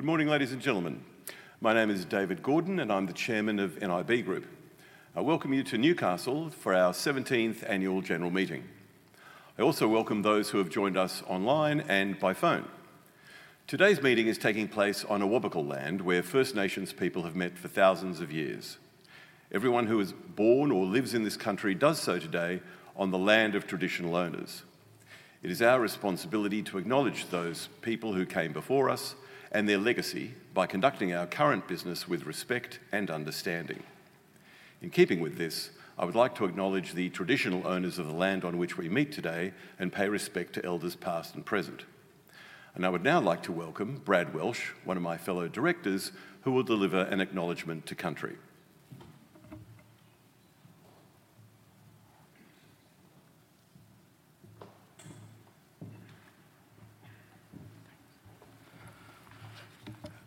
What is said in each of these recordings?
Good morning, ladies and gentlemen. My name is David Gordon, and I'm the Chairman of nib Group. I welcome you to Newcastle for our 17th Annual General Meeting. I also welcome those who have joined us online and by phone. Today's meeting is taking place on Awabakal land, where First Nations people have met for thousands of years. Everyone who was born or lives in this country does so today on the land of traditional owners. It is our responsibility to acknowledge those people who came before us and their legacy by conducting our current business with respect and understanding. In keeping with this, I would like to acknowledge the traditional owners of the land on which we meet today and pay respect to elders past and present, and I would now like to welcome Brad Welsh, one of my fellow directors, who will deliver an acknowledgement to Country.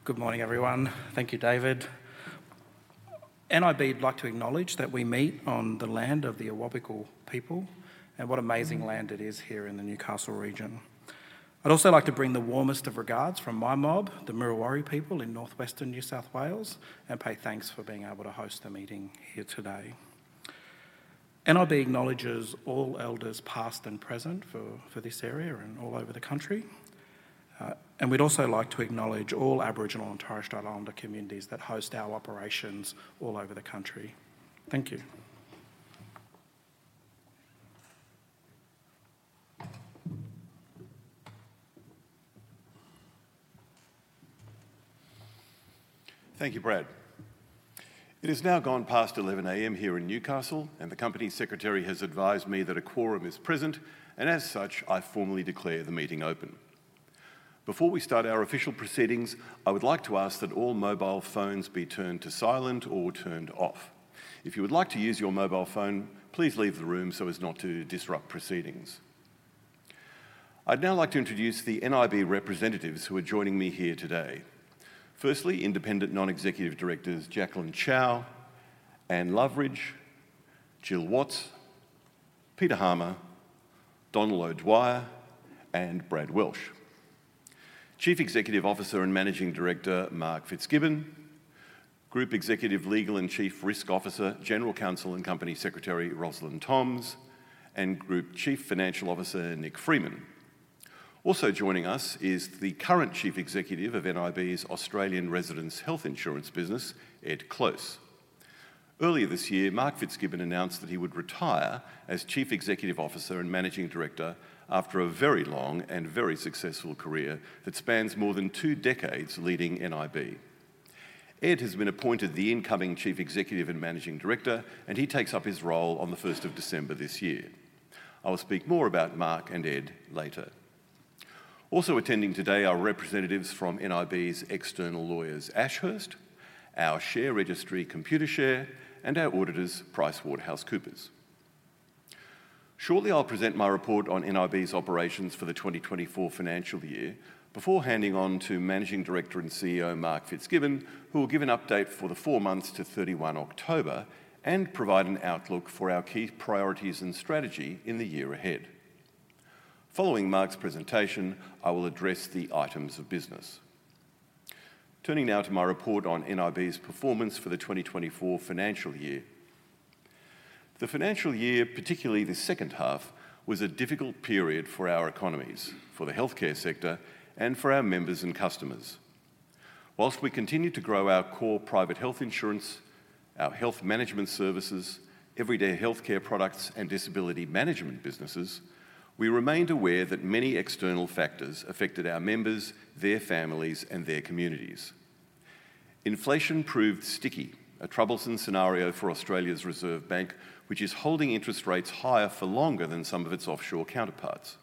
Good morning, everyone. Thank you, David. nib would like to acknowledge that we meet on the land of the Awabakal people and what an amazing land it is here in the Newcastle region. I'd also like to bring the warmest of regards from my mob, the Muruwari people in Northwestern New South Wales, and pay thanks for being able to host the meeting here today. nib acknowledges all elders past and present for this area and all over the country, and we'd also like to acknowledge all Aboriginal and Torres Strait Islander communities that host our operations all over the country. Thank you. Thank you, Brad. It has now gone past 11 A.M. here in Newcastle, and the Company Secretary has advised me that a quorum is present, and as such, I formally declare the meeting open. Before we start our official proceedings, I would like to ask that all mobile phones be turned to silent or turned off. If you would like to use your mobile phone, please leave the room so as not to disrupt proceedings. I'd now like to introduce the nib representatives who are joining me here today. Firstly, Independent Non-Executive Directors Jacqueline Chow, Anne Loveridge, Jill Watts, Peter Harmer, Donal O'Dwyer, and Brad Welsh. Chief Executive Officer and Managing Director Mark Fitzgibbon, Group Executive Legal and Chief Risk Officer, General Counsel and Company Secretary Roslyn Toms, and Group Chief Financial Officer, Nick Freeman. Also joining us is the current Chief Executive of nib's Australian Residents Health Insurance business, Ed Close. Earlier this year, Mark Fitzgibbon announced that he would retire as Chief Executive Officer and Managing Director after a very long and very successful career that spans more than two decades leading nib. Ed has been appointed the incoming Chief Executive and Managing Director, and he takes up his role on the first of December this year. I will speak more about Mark and Ed later. Also attending today are representatives from nib's external lawyers, Ashurst, our share registry, Computershare, and our auditors, PricewaterhouseCoopers. Shortly, I'll present my report on nib's operations for the 2024 financial year before handing on to Managing Director and CEO Mark Fitzgibbon, who will give an update for the four months to 31 October and provide an outlook for our key priorities and strategy in the year ahead. Following Mark's presentation, I will address the items of business. Turning now to my report on nib's performance for the 2024 financial year. The financial year, particularly the second half, was a difficult period for our economies, for the healthcare sector, and for our members and customers. While we continued to grow our core private health insurance, our health management services, everyday healthcare products, and disability management businesses, we remained aware that many external factors affected our members, their families, and their communities. Inflation proved sticky, a troublesome scenario for Australia's Reserve Bank, which is holding interest rates higher for longer than some of its offshore counterparts.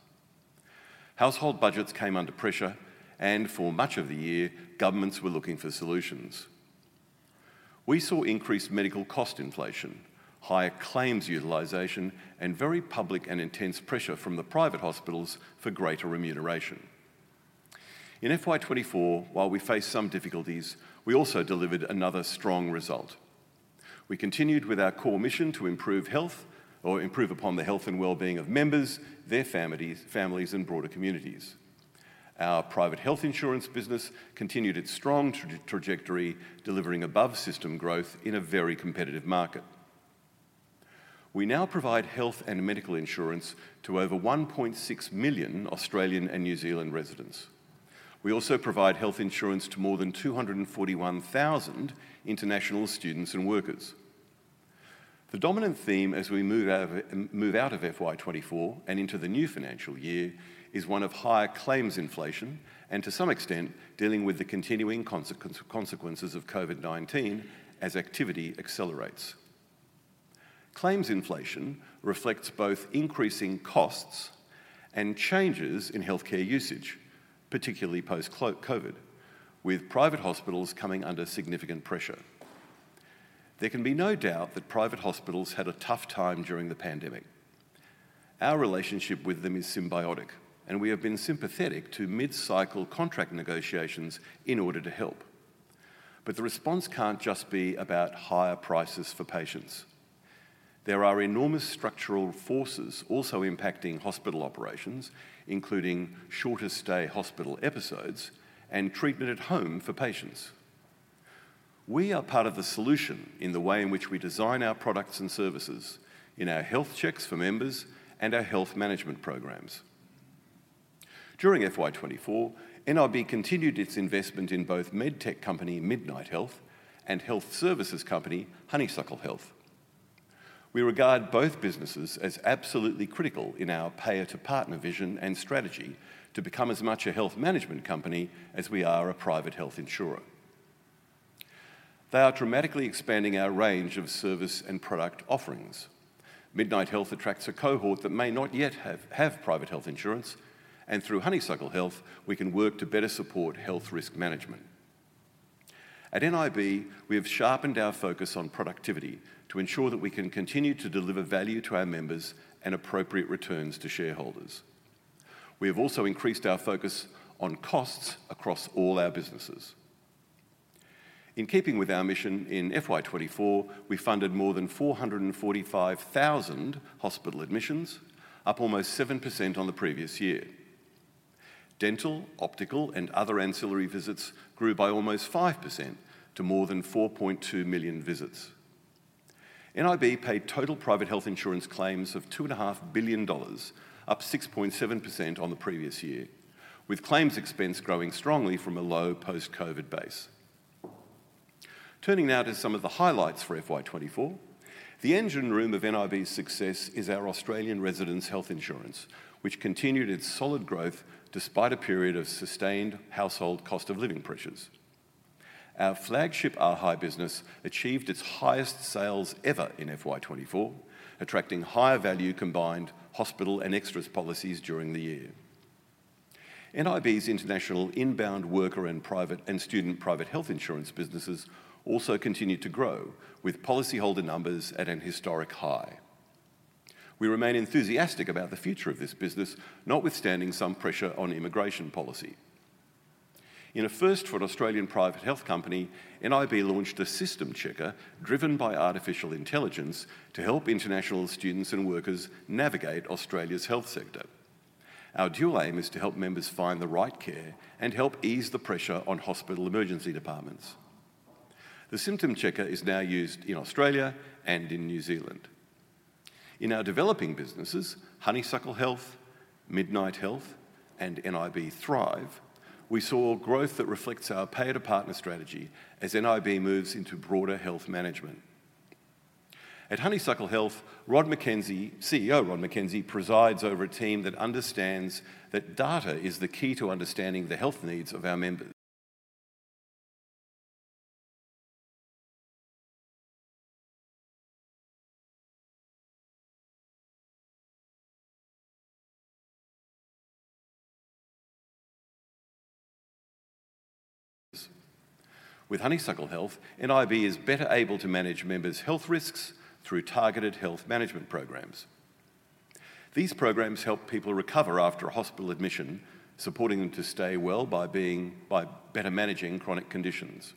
Household budgets came under pressure, and for much of the year, governments were looking for solutions. We saw increased medical cost inflation, higher claims utilization, and very public and intense pressure from the private hospitals for greater remuneration. In FY2024, while we faced some difficulties, we also delivered another strong result. We continued with our core mission to improve health or improve upon the health and well-being of members, their families, and broader communities. Our private health insurance business continued its strong trajectory, delivering above-system growth in a very competitive market. We now provide health and medical insurance to over 1.6 million Australian and New Zealand residents. We also provide health insurance to more than 241,000 international students and workers. The dominant theme as we move out of FY2024 and into the new financial year is one of higher claims inflation and, to some extent, dealing with the continuing consequences of COVID-19 as activity accelerates. Claims inflation reflects both increasing costs and changes in healthcare usage, particularly post-COVID, with private hospitals coming under significant pressure. There can be no doubt that private hospitals had a tough time during the pandemic. Our relationship with them is symbiotic, and we have been sympathetic to mid-cycle contract negotiations in order to help. But the response can't just be about higher prices for patients. There are enormous structural forces also impacting hospital operations, including shorter-stay hospital episodes and treatment at home for patients. We are part of the solution in the way in which we design our products and services, in our health checks for members, and our health management programs. During FY2024, NIB continued its investment in both medtech company Midnight Health and health services company Honeysuckle Health. We regard both businesses as absolutely critical in our payer-to-partner vision and strategy to become as much a health management company as we are a private health insurer. They are dramatically expanding our range of service and product offerings. Midnight Health attracts a cohort that may not yet have private health insurance, and through Honeysuckle Health, we can work to better support health risk management. At NIB, we have sharpened our focus on productivity to ensure that we can continue to deliver value to our members and appropriate returns to shareholders. We have also increased our focus on costs across all our businesses. In keeping with our mission in FY2024, we funded more than 445,000 hospital admissions, up almost 7% on the previous year. Dental, optical, and other ancillary visits grew by almost 5% to more than 4.2 million visits. nib paid total private health insurance claims of 2.5 billion dollars, up 6.7% on the previous year, with claims expense growing strongly from a low post-COVID base. Turning now to some of the highlights for FY24, the engine room of nib's success is our Australian resident health insurance, which continued its solid growth despite a period of sustained household cost of living pressures. Our flagship Extras business achieved its highest sales ever in FY2024, attracting higher value combined hospital and extras policies during the year. nib's international inbound worker and student private health insurance businesses also continued to grow, with policyholder numbers at a historic high. We remain enthusiastic about the future of this business, notwithstanding some pressure on immigration policy. In a first for an Australian private health company, nib launched a Symptom Checker driven by artificial intelligence to help international students and workers navigate Australia's health sector. Our dual aim is to help members find the right care and help ease the pressure on hospital emergency departments. The Symptom Checker is now used in Australia and in New Zealand. In our developing businesses, Honeysuckle Health, Midnight Health, and nib Thrive, we saw growth that reflects our Payer-to-Partner strategy as nib moves into broader health management. At Honeysuckle Health, CEO Rhod McKensey presides over a team that understands that data is the key to understanding the health needs of our members. With Honeysuckle Health, nib is better able to manage members' health risks through targeted health management programs. These programs help people recover after a hospital admission, supporting them to stay well by better managing chronic conditions.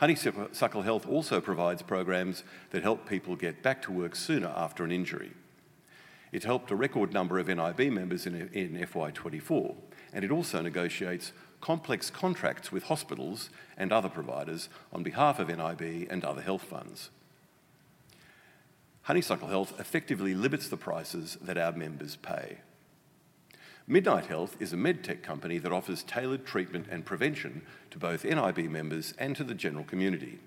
Honeysuckle Health also provides programs that help people get back to work sooner after an injury. It helped a record number of nib members in FY24, and it also negotiates complex contracts with hospitals and other providers on behalf of nib and other health funds. Honeysuckle Health effectively limits the prices that our members pay. Midnight Health is a medtech company that offers tailored treatment and prevention to both nib members and to the general community.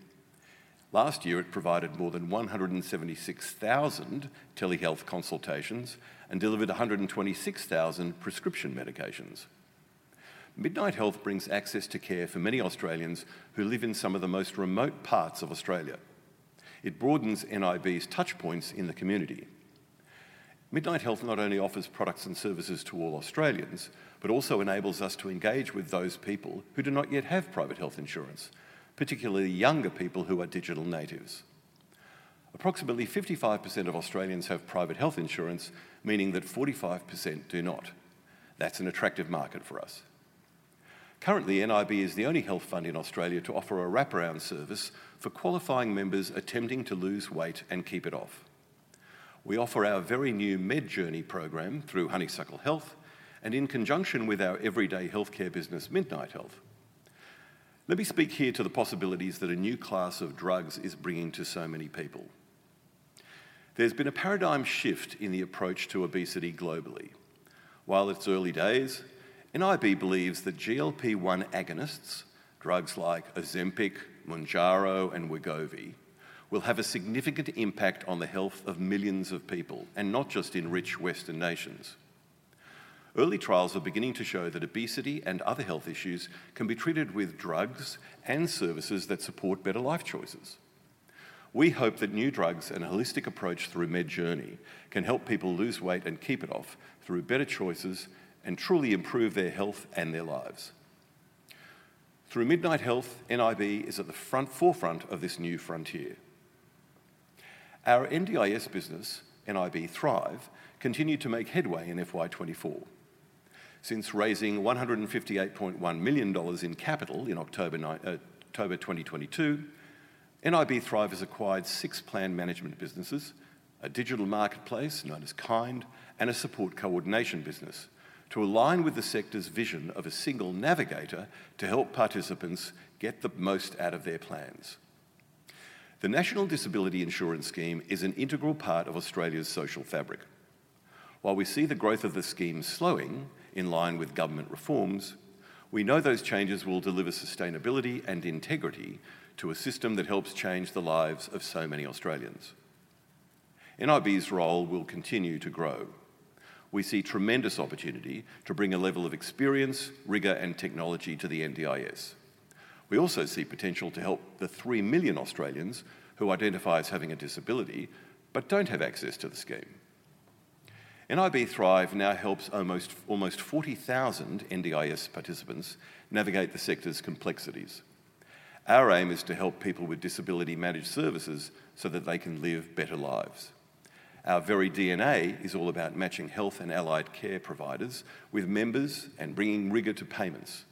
Last year, it provided more than 176,000 telehealth consultations and delivered 126,000 prescription medications. Midnight Health brings access to care for many Australians who live in some of the most remote parts of Australia. It broadens nib's touchpoints in the community. Midnight Health not only offers products and services to all Australians, but also enables us to engage with those people who do not yet have private health insurance, particularly younger people who are digital natives. Approximately 55% of Australians have private health insurance, meaning that 45% do not. That's an attractive market for us. Currently, nib is the only health fund in Australia to offer a wraparound service for qualifying members attempting to lose weight and keep it off. We offer our very new MedJourney program through Honeysuckle Health and in conjunction with our everyday healthcare business, Midnight Health. Let me speak here to the possibilities that a new class of drugs is bringing to so many people. There's been a paradigm shift in the approach to obesity globally. While it's early days, nib believes that GLP-1 agonists, drugs like Ozempic, Mounjaro, and Wegovy, will have a significant impact on the health of millions of people and not just in rich Western nations. Early trials are beginning to show that obesity and other health issues can be treated with drugs and services that support better life choices. We hope that new drugs and a holistic approach through MedJourney can help people lose weight and keep it off through better choices and truly improve their health and their lives. Through Midnight Health, nib is at the forefront of this new frontier. Our NDIS business, nib Thrive, continued to make headway in FY2024. Since raising 158.1 million dollars in capital in October 2022, nib Thrive has acquired six plan management businesses, a digital marketplace known as Kynd, and a support coordination business to align with the sector's vision of a single navigator to help participants get the most out of their plans. The National Disability Insurance Scheme is an integral part of Australia's social fabric. While we see the growth of the scheme slowing in line with government reforms, we know those changes will deliver sustainability and integrity to a system that helps change the lives of so many Australians. nib's role will continue to grow. We see tremendous opportunity to bring a level of experience, rigor, and technology to the NDIS. We also see potential to help the 3 million Australians who identify as having a disability but don't have access to the scheme. nib Thrive now helps almost 40,000 NDIS participants navigate the sector's complexities. Our aim is to help people with disability manage services so that they can live better lives. Our very DNA is all about matching health and allied care providers with members and bringing rigor to payments.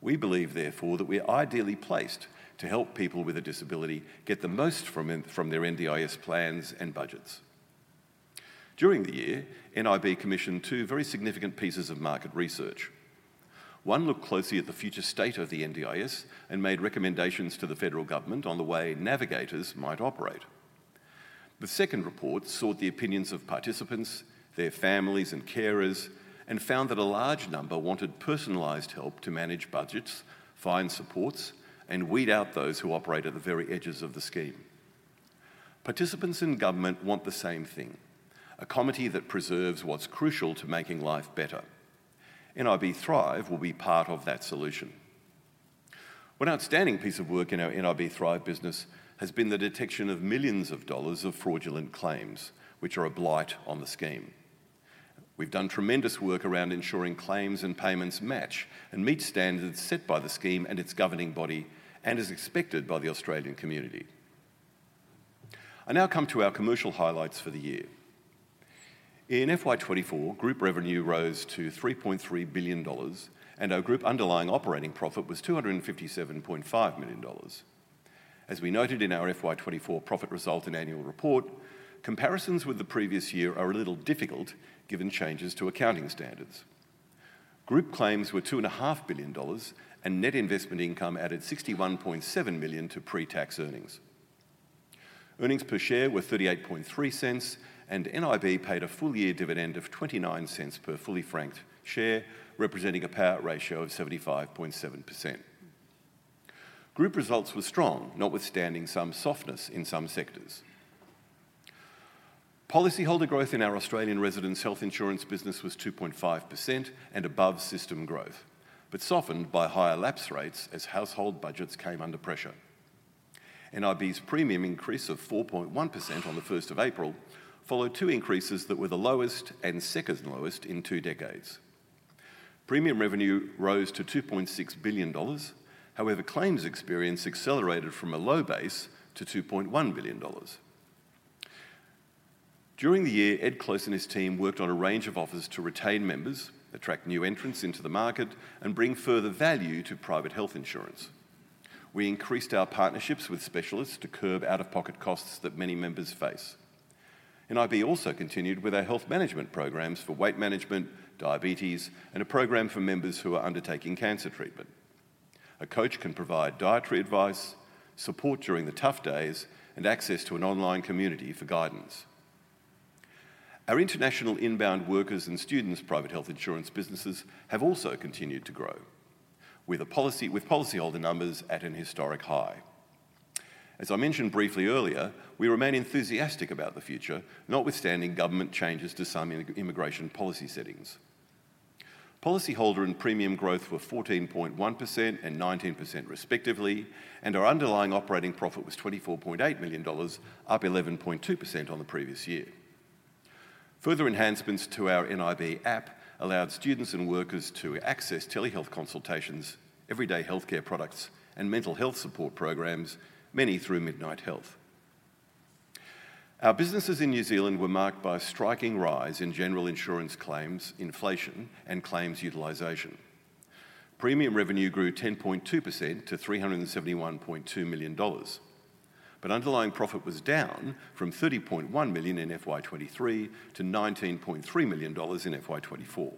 We believe, therefore, that we are ideally placed to help people with a disability get the most from their NDIS plans and budgets. During the year, nib commissioned two very significant pieces of market research. One looked closely at the future state of the NDIS and made recommendations to the federal government on the way navigators might operate. The second report sought the opinions of participants, their families and carers, and found that a large number wanted personalized help to manage budgets, find supports, and weed out those who operate at the very edges of the scheme. Participants in government want the same thing: a committee that preserves what's crucial to making life better. nib Thrive will be part of that solution. One outstanding piece of work in our nib Thrive business has been the detection of millions of dollars of fraudulent claims, which are obliged on the scheme. We've done tremendous work around ensuring claims and payments match and meet standards set by the scheme and its governing body, and as expected by the Australian community. I now come to our commercial highlights for the year. In FY2024, group revenue rose to AUD 3.3 billion, and our group underlying operating profit was AUD 257.5 million. As we noted in our FY2024 profit result and annual report, comparisons with the previous year are a little difficult given changes to accounting standards. Group claims were 2.5 billion dollars, and net investment income added 61.7 million to pre-tax earnings. Earnings per share were 0.383, and NIB paid a full-year dividend of 0.29 per fully-franked share, representing a payout ratio of 75.7%. Group results were strong, notwithstanding some softness in some sectors. Policyholder growth in our Australian residence health insurance business was 2.5% and above system growth, but softened by higher lapse rates as household budgets came under pressure. NIB's premium increase of 4.1% on the 1st of April followed two increases that were the lowest and second lowest in two decades. Premium revenue rose to 2.6 billion dollars. However, claims experience accelerated from a low base to 2.1 billion dollars. During the year, Ed Close and his team worked on a range of offers to retain members, attract new entrants into the market, and bring further value to private health insurance. We increased our partnerships with specialists to curb out-of-pocket costs that many members face. nib also continued with our health management programs for weight management, diabetes, and a program for members who are undertaking cancer treatment. A coach can provide dietary advice, support during the tough days, and access to an online community for guidance. Our international inbound workers and students' private health insurance businesses have also continued to grow, with policyholder numbers at a historic high. As I mentioned briefly earlier, we remain enthusiastic about the future, notwithstanding government changes to some immigration policy settings. Policyholder and premium growth were 14.1% and 19% respectively, and our underlying operating profit was 24.8 million dollars, up 11.2% on the previous year. Further enhancements to our nib app allowed students and workers to access telehealth consultations, everyday healthcare products, and mental health support programs, many through Midnight Health. Our businesses in New Zealand were marked by a striking rise in general insurance claims, inflation, and claims utilisation. Premium revenue grew 10.2% to 371.2 million dollars, but underlying profit was down from 30.1 million in FY23 to 19.3 million dollars in FY24.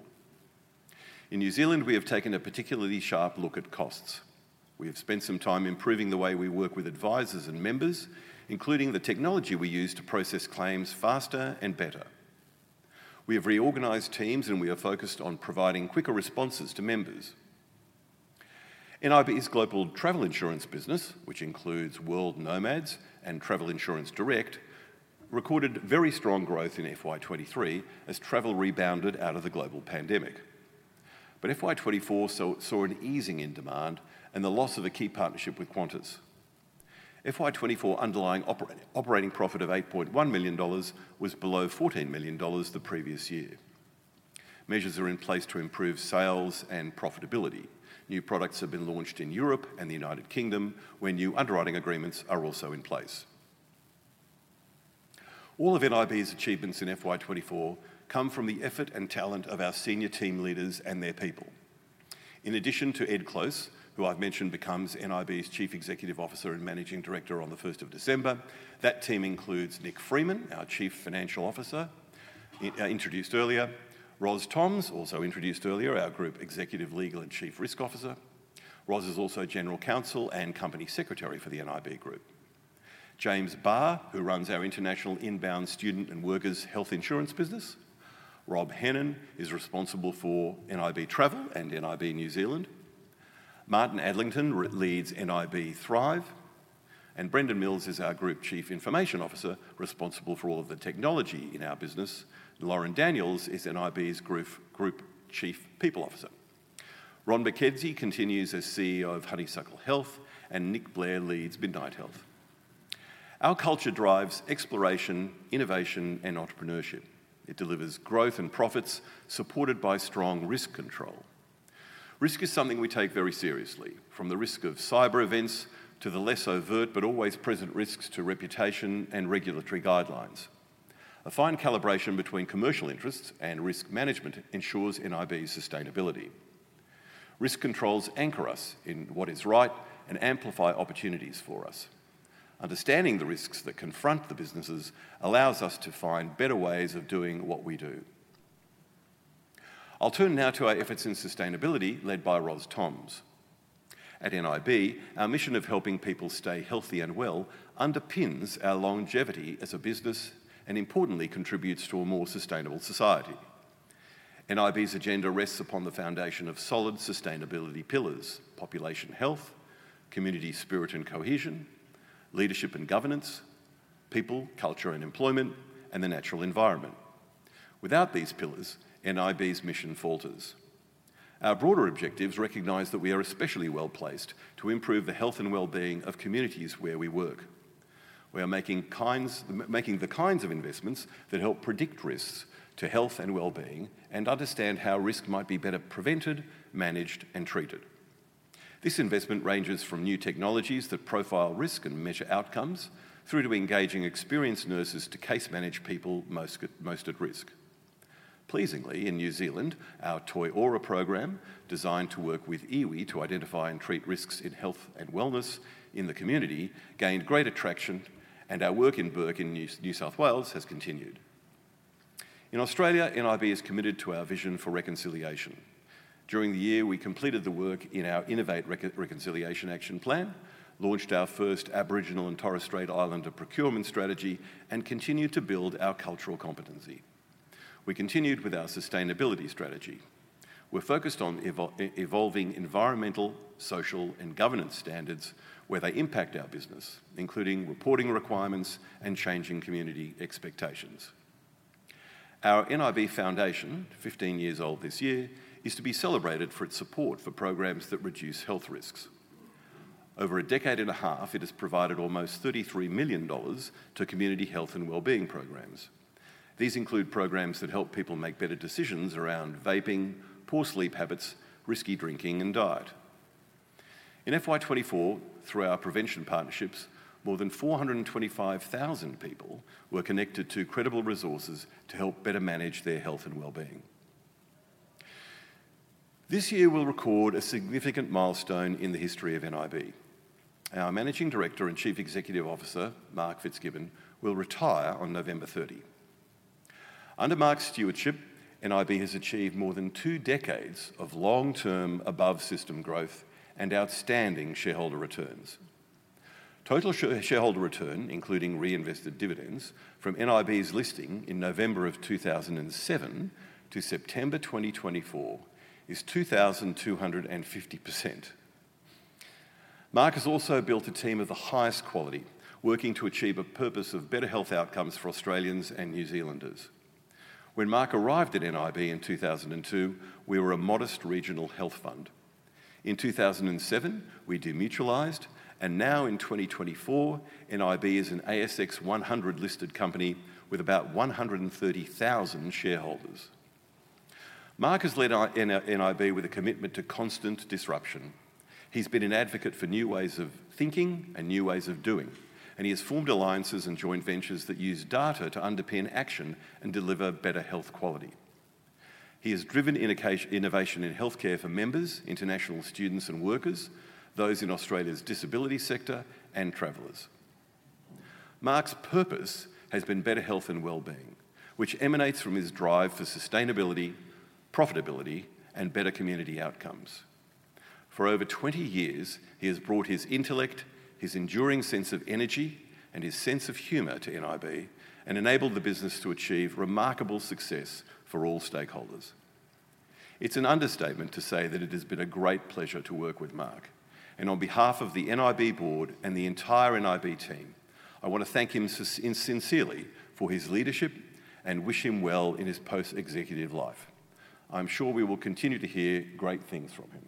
In New Zealand, we have taken a particularly sharp look at costs. We have spent some time improving the way we work with advisors and members, including the technology we use to process claims faster and better. We have reorganized teams, and we are focused on providing quicker responses to members. nib's global travel insurance business, which includes World Nomads and Travel Insurance Direct, recorded very strong growth in FY23 as travel rebounded out of the global pandemic. But FY202024 saw an easing in demand and the loss of a key partnership with Qantas. FY2024 underlying operating profit of 8.1 million dollars was below 14 million dollars the previous year. Measures are in place to improve sales and profitability. New products have been launched in Europe and the United Kingdom, where new underwriting agreements are also in place. All of nib's achievements in FY24 come from the effort and talent of our senior team leaders and their people. In addition to Ed Close, who I've mentioned becomes nib's Chief Executive Officer and Managing Director on the 1st of December, that team includes Nick Freeman, our Chief Financial Officer, introduced earlier. Roslyn Toms, also introduced earlier, our Group Executive Legal and Chief Risk Officer. Roslyn is also General Counsel and Company Secretary for the nib Group. James Barr, who runs our international inbound student and workers' health insurance business. Rob Hennin is responsible for nib Travel and nib New Zealand. Martin Adlington leads nib Thrive, and Brendan Mills is our Group Chief Information Officer, responsible for all of the technology in our business. Lauren Daniell is nib's Group Chief People Officer. Rhod McKensey continues as CEO of Honeysuckle Health, and Nic Blair leads Midnight Health. Our culture drives exploration, innovation, and entrepreneurship. It delivers growth and profits supported by strong risk control. Risk is something we take very seriously, from the risk of cyber events to the less overt but always present risks to reputation and regulatory guidelines. A fine calibration between commercial interests and risk management ensures nib's sustainability. Risk controls anchor us in what is right and amplify opportunities for us. Understanding the risks that confront the businesses allows us to find better ways of doing what we do. I'll turn now to our efforts in sustainability, led by Roslyn Toms. At nib, our mission of helping people stay healthy and well underpins our longevity as a business and, importantly, contributes to a more sustainable society. nib's agenda rests upon the foundation of solid sustainability pillars: population health, community spirit and cohesion, leadership and governance, people, culture and employment, and the natural environment. Without these pillars, nib's mission falters. Our broader objectives recognize that we are especially well placed to improve the health and well-being of communities where we work. We are making the kinds of investments that help predict risks to health and well-being and understand how risk might be better prevented, managed, and treated. This investment ranges from new technologies that profile risk and measure outcomes through to engaging experienced nurses to case-manage people most at risk. Pleasingly, in New Zealand, our Toi Ora program, designed to work with iwi to identify and treat risks in health and wellness in the community, gained great traction, and our work in Bourke in New South Wales has continued. In Australia, NIB is committed to our vision for reconciliation. During the year, we completed the work in our Innovate Reconciliation Action Plan, launched our first Aboriginal and Torres Strait Islander procurement strategy, and continued to build our cultural competency. We continued with our sustainability strategy. We're focused on evolving environmental, social, and governance standards where they impact our business, including reporting requirements and changing community expectations. Our NIB Foundation, 15 years old this year, is to be celebrated for its support for programs that reduce health risks. Over a decade and a half, it has provided almost 33 million dollars to community health and well-being programs. These include programs that help people make better decisions around vaping, poor sleep habits, risky drinking, and diet. In FY2024, through our prevention partnerships, more than 425,000 people were connected to credible resources to help better manage their health and well-being. This year, we'll record a significant milestone in the history of nib. Our Managing Director and Chief Executive Officer, Mark Fitzgibbon, will retire on November 30. Under Mark's stewardship, nib has achieved more than two decades of long-term above-system growth and outstanding shareholder returns. Total shareholder return, including reinvested dividends from nib's listing in November of 2007 to September 2024, is 2,250%. Mark has also built a team of the highest quality, working to achieve a purpose of better health outcomes for Australians and New Zealanders. When Mark arrived at nib in 2002, we were a modest regional health fund. In 2007, we demutualized, and now in 2024, nib is an ASX 100-listed company with about 130,000 shareholders. Mark has led nib with a commitment to constant disruption. He's been an advocate for new ways of thinking and new ways of doing, and he has formed alliances and joint ventures that use data to underpin action and deliver better health quality. He has driven innovation in healthcare for members, international students and workers, those in Australia's disability sector, and travellers. Mark's purpose has been better health and well-being, which emanates from his drive for sustainability, profitability, and better community outcomes. For over 20 years, he has brought his intellect, his enduring sense of energy, and his sense of humour to nib and enabled the business to achieve remarkable success for all stakeholders. It's an understatement to say that it has been a great pleasure to work with Mark, and on behalf of the nib Board and the entire nib team, I want to thank him sincerely for his leadership and wish him well in his post-executive life. I'm sure we will continue to hear great things from him.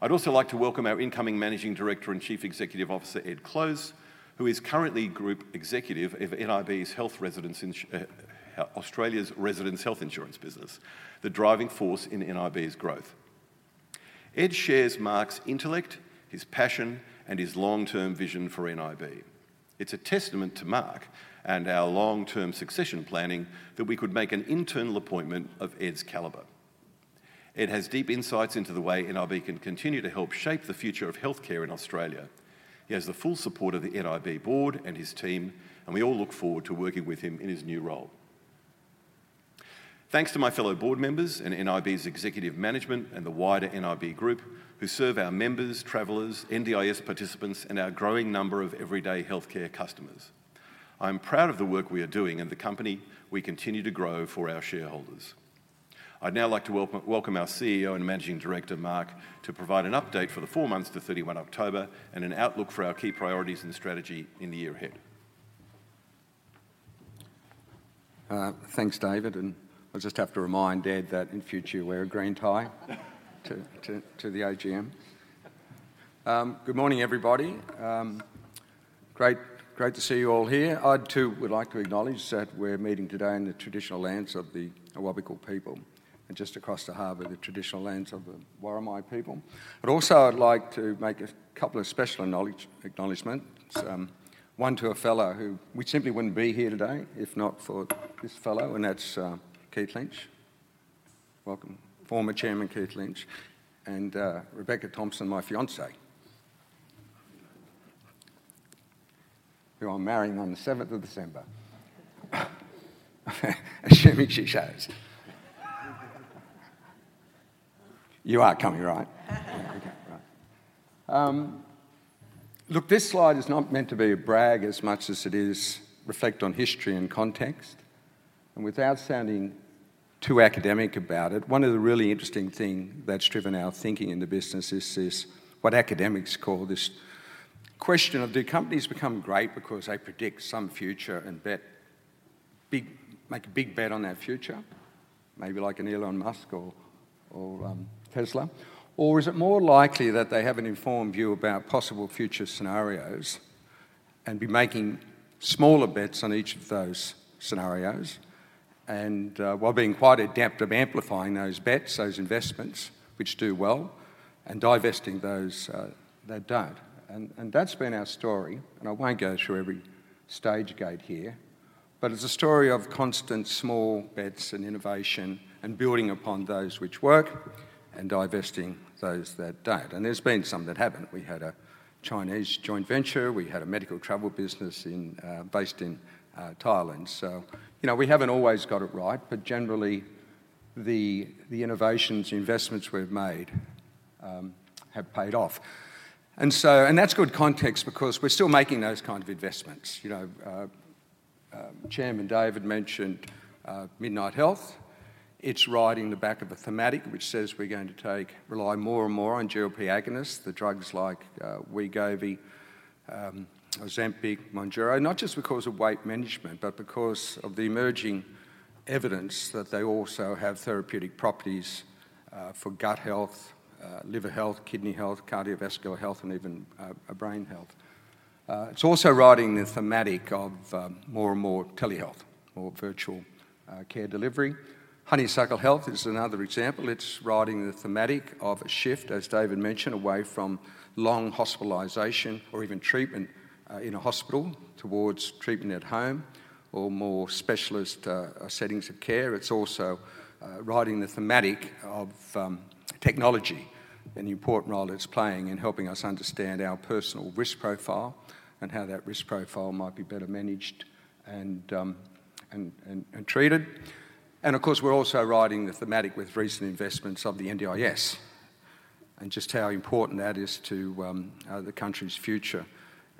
I'd also like to welcome our incoming Managing Director and Chief Executive Officer, Ed Close, who is currently Group Executive of nib's Australian Residence Health Insurance business, the driving force in nib's growth. Ed shares Mark's intellect, his passion, and his long-term vision for nib. It's a testament to Mark and our long-term succession planning that we could make an internal appointment of Ed's calibre. Ed has deep insights into the way nib can continue to help shape the future of healthcare in Australia. He has the full support of the nib Board and his team, and we all look forward to working with him in his new role. Thanks to my fellow board members and nib's executive management and the wider nib Group, who serve our members, travellers, NDIS participants, and our growing number of everyday healthcare customers. I'm proud of the work we are doing and the company we continue to grow for our shareholders. I'd now like to welcome our CEO and Managing Director, Mark, to provide an update for the four months to 31 October and an outlook for our key priorities and strategy in the year ahead. Thanks, David. And I just have to remind Ed that in future, wear a green tie to the AGM. Good morning, everybody. Great to see you all here. I too would like to acknowledge that we're meeting today in the traditional lands of the Awabakal people and just across the harbor, the traditional lands of the Worimi people. But also, I'd like to make a couple of special acknowledgments. One to a fellow who we simply wouldn't be here today if not for this fellow, and that's Keith Lynch. Welcome. Former Chairman Keith Lynch and Rebecca Thompson, my fiancée, who I'm marrying on the 7th of December. Assuming she shows. You are coming, right? Look, this slide is not meant to be a brag as much as it is to reflect on history and context. And without sounding too academic about it, one of the really interesting things that's driven our thinking in the business is this, what academics call this question of, do companies become great because they predict some future and make a big bet on that future, maybe like an Elon Musk or Tesla? Or is it more likely that they have an informed view about possible future scenarios and be making smaller bets on each of those scenarios and while being quite adept at amplifying those bets, those investments which do well, and divesting those that don't? And that's been our story. I won't go through every stage gate here, but it's a story of constant small bets and innovation and building upon those which work and divesting those that don't. And there's been some that haven't. We had a Chinese joint venture. We had a medical travel business based in Thailand. So, you know, we haven't always got it right, but generally, the innovations, the investments we've made have paid off. And that's good context because we're still making those kinds of investments. Chairman David mentioned Midnight Health. It's riding the back of a thematic which says we're going to rely more and more on GLP-1 agonists, the drugs like Wegovy, Ozempic, Mounjaro, not just because of weight management, but because of the emerging evidence that they also have therapeutic properties for gut health, liver health, kidney health, cardiovascular health, and even brain health. It's also riding the thematic of more and more telehealth, more virtual care delivery. Honeysuckle Health is another example. It's riding the thematic of a shift, as David mentioned, away from long hospitalization or even treatment in a hospital towards treatment at home or more specialist settings of care. It's also riding the thematic of technology and the important role it's playing in helping us understand our personal risk profile and how that risk profile might be better managed and treated. And of course, we're also riding the thematic with recent investments of the NDIS and just how important that is to the country's future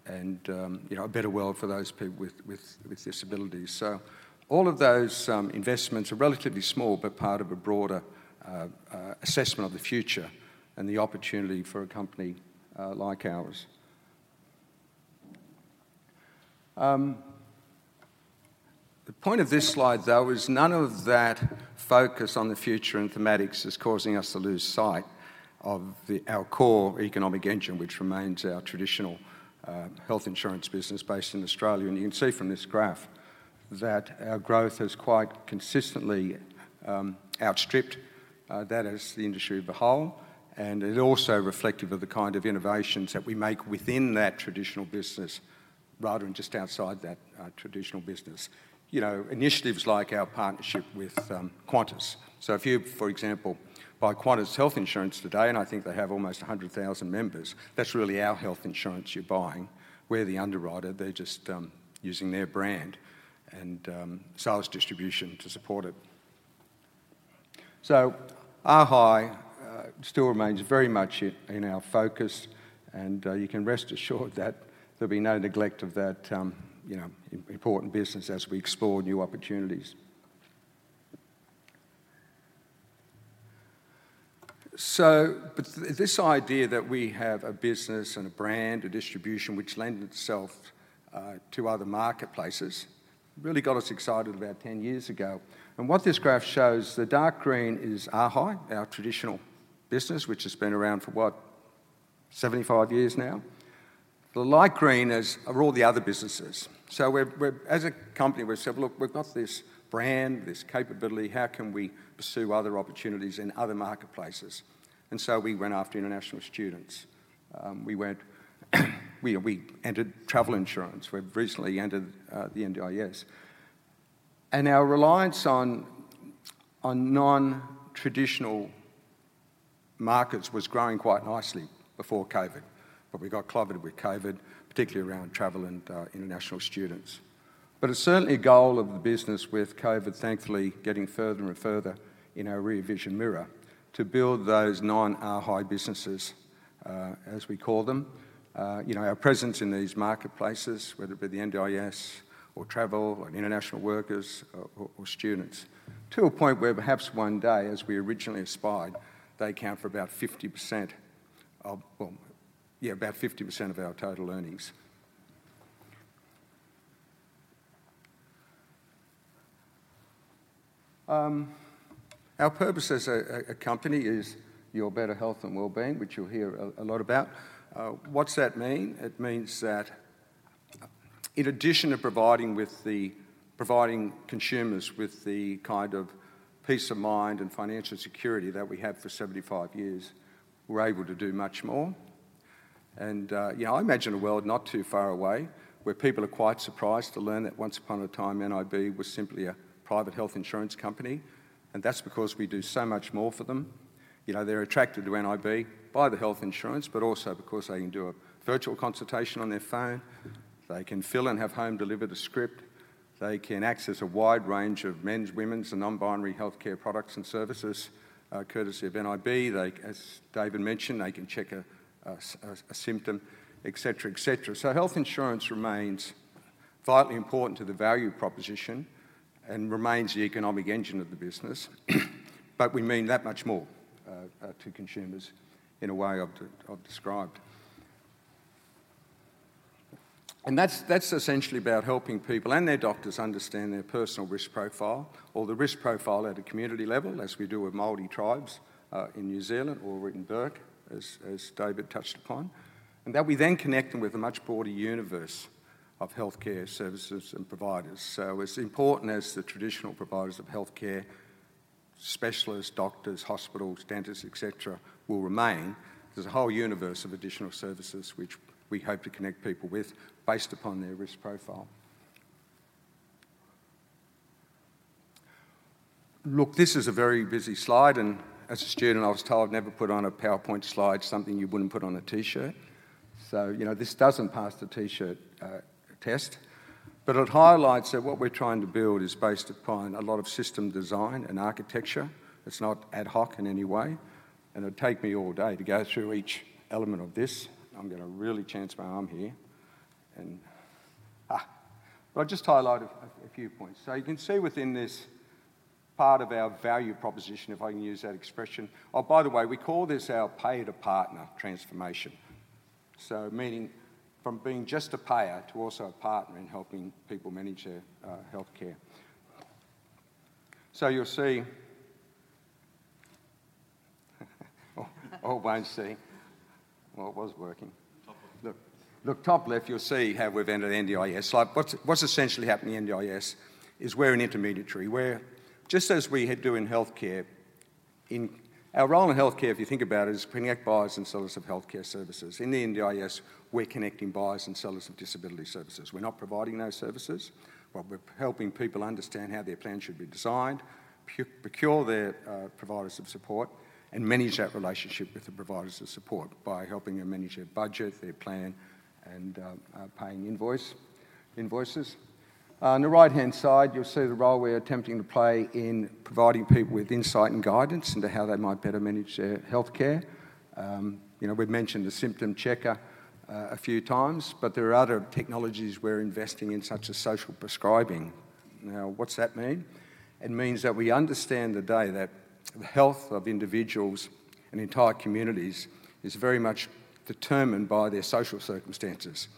and a better world for those people with disabilities. So all of those investments are relatively small, but part of a broader assessment of the future and the opportunity for a company like ours. The point of this slide, though, is none of that focus on the future and thematics is causing us to lose sight of our core economic engine, which remains our traditional health insurance business based in Australia. And you can see from this graph that our growth has quite consistently outstripped that as the industry as a whole. And it's also reflective of the kind of innovations that we make within that traditional business rather than just outside that traditional business. Initiatives like our partnership with Qantas. So if you, for example, buy Qantas Health Insurance today, and I think they have almost 100,000 members, that's really our health insurance you're buying. We're the underwriter. They're just using their brand and sales distribution to support it. So AHI still remains very much in our focus, and you can rest assured that there'll be no neglect of that important business as we explore new opportunities. So this idea that we have a business and a brand, a distribution which lends itself to other marketplaces really got us excited about 10 years ago. And what this graph shows, the dark green is arhi, our traditional business, which has been around for, what, 75 years now. The light green is all the other businesses. So as a company, we said, "Look, we've got this brand, this capability. How can we pursue other opportunities in other marketplaces?" And so we went after international students. We entered travel insurance. We've recently entered the NDIS. And our reliance on non-traditional markets was growing quite nicely before COVID, but we got clobbered with COVID, particularly around travel and international students. It's certainly a goal of the business with COVID, thankfully, getting further and further in our rearview mirror to build those non-AHI businesses, as we call them, our presence in these marketplaces, whether it be the NDIS or travel or international workers or students, to a point where perhaps one day, as we originally aspired, they account for about 50% of, well, yeah, about 50% of our total earnings. Our purpose as a company is your better health and well-being, which you'll hear a lot about. What's that mean? It means that in addition to providing consumers with the kind of peace of mind and financial security that we have for 75 years, we're able to do much more. I imagine a world not too far away where people are quite surprised to learn that once upon a time, nib was simply a private health insurance company. And that's because we do so much more for them. They're attracted to nib by the health insurance, but also because they can do a virtual consultation on their phone. They can fill in, have home-delivered a script. They can access a wide range of men's, women's, and non-binary healthcare products and services courtesy of nib. As David mentioned, they can check a symptom, etc., etc. So health insurance remains vitally important to the value proposition and remains the economic engine of the business, but we mean that much more to consumers in a way I've described. And that's essentially about helping people and their doctors understand their personal risk profile or the risk profile at a community level, as we do with Māori tribes in New Zealand or Bourke, as David touched upon, and that we then connect them with a much broader universe of healthcare services and providers. So as important as the traditional providers of healthcare, specialists, doctors, hospitals, dentists, etc., will remain, there's a whole universe of additional services which we hope to connect people with based upon their risk profile. Look, this is a very busy slide. And as a student, I was told, never put on a PowerPoint slide something you wouldn't put on a T-shirt. So this doesn't pass the T-shirt test. But it highlights that what we're trying to build is based upon a lot of system design and architecture. It's not ad hoc in any way. And it would take me all day to go through each element of this. I'm going to really chance my arm here. But I'll just highlight a few points. So you can see within this part of our value proposition, if I can use that expression. Oh, by the way, we call this our Payer-to-Partner transformation. So meaning from being just a payer to also a partner in helping people manage their healthcare. So you'll see, or won't see, well, it was working. Look, top left, you'll see how we've entered NDIS. What's essentially happening in NDIS is we're an intermediary. Just as we do in healthcare, our role in healthcare, if you think about it, is connect buyers and sellers of healthcare services. In the NDIS, we're connecting buyers and sellers of disability services. We're not providing those services. We're helping people understand how their plan should be designed, procure their providers of support, and manage that relationship with the providers of support by helping them manage their budget, their plan, and paying invoices. On the right-hand side, you'll see the role we're attempting to play in providing people with insight and guidance into how they might better manage their healthcare. We've mentioned the symptom checker a few times, but there are other technologies we're investing in such as social prescribing. Now, what's that mean? It means that we understand today that the health of individuals and entire communities is very much determined by their social circumstances,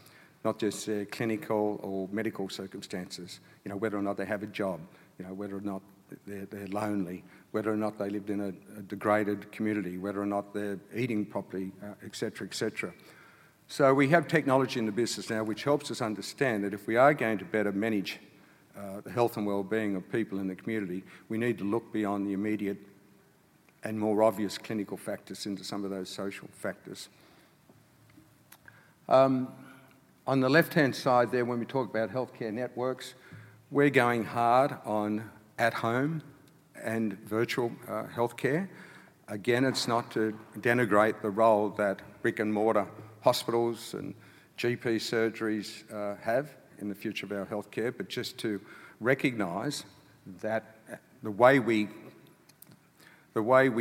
not just their clinical or medical circumstances, whether or not they have a job, whether or not they're lonely, whether or not they lived in a degraded community, whether or not they're eating properly, etc., etc. So we have technology in the business now, which helps us understand that if we are going to better manage the health and well-being of people in the community, we need to look beyond the immediate and more obvious clinical factors into some of those social factors. On the left-hand side there, when we talk about healthcare networks, we're going hard on at-home and virtual healthcare. Again, it's not to denigrate the role that brick-and-mortar hospitals and GP surgeries have in the future of our healthcare, but just to recognize that the way we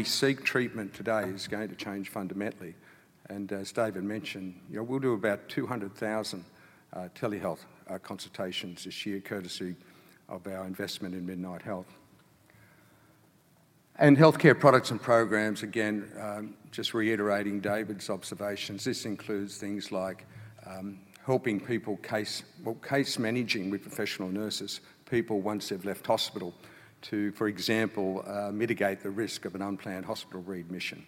seek treatment today is going to change fundamentally. And as David mentioned, we'll do about 200,000 telehealth consultations this year courtesy of our investment in Midnight Health. Healthcare products and programs, again, just reiterating David's observations, this includes things like helping people, well, case managing with professional nurses, people once they've left hospital to, for example, mitigate the risk of an unplanned hospital readmission.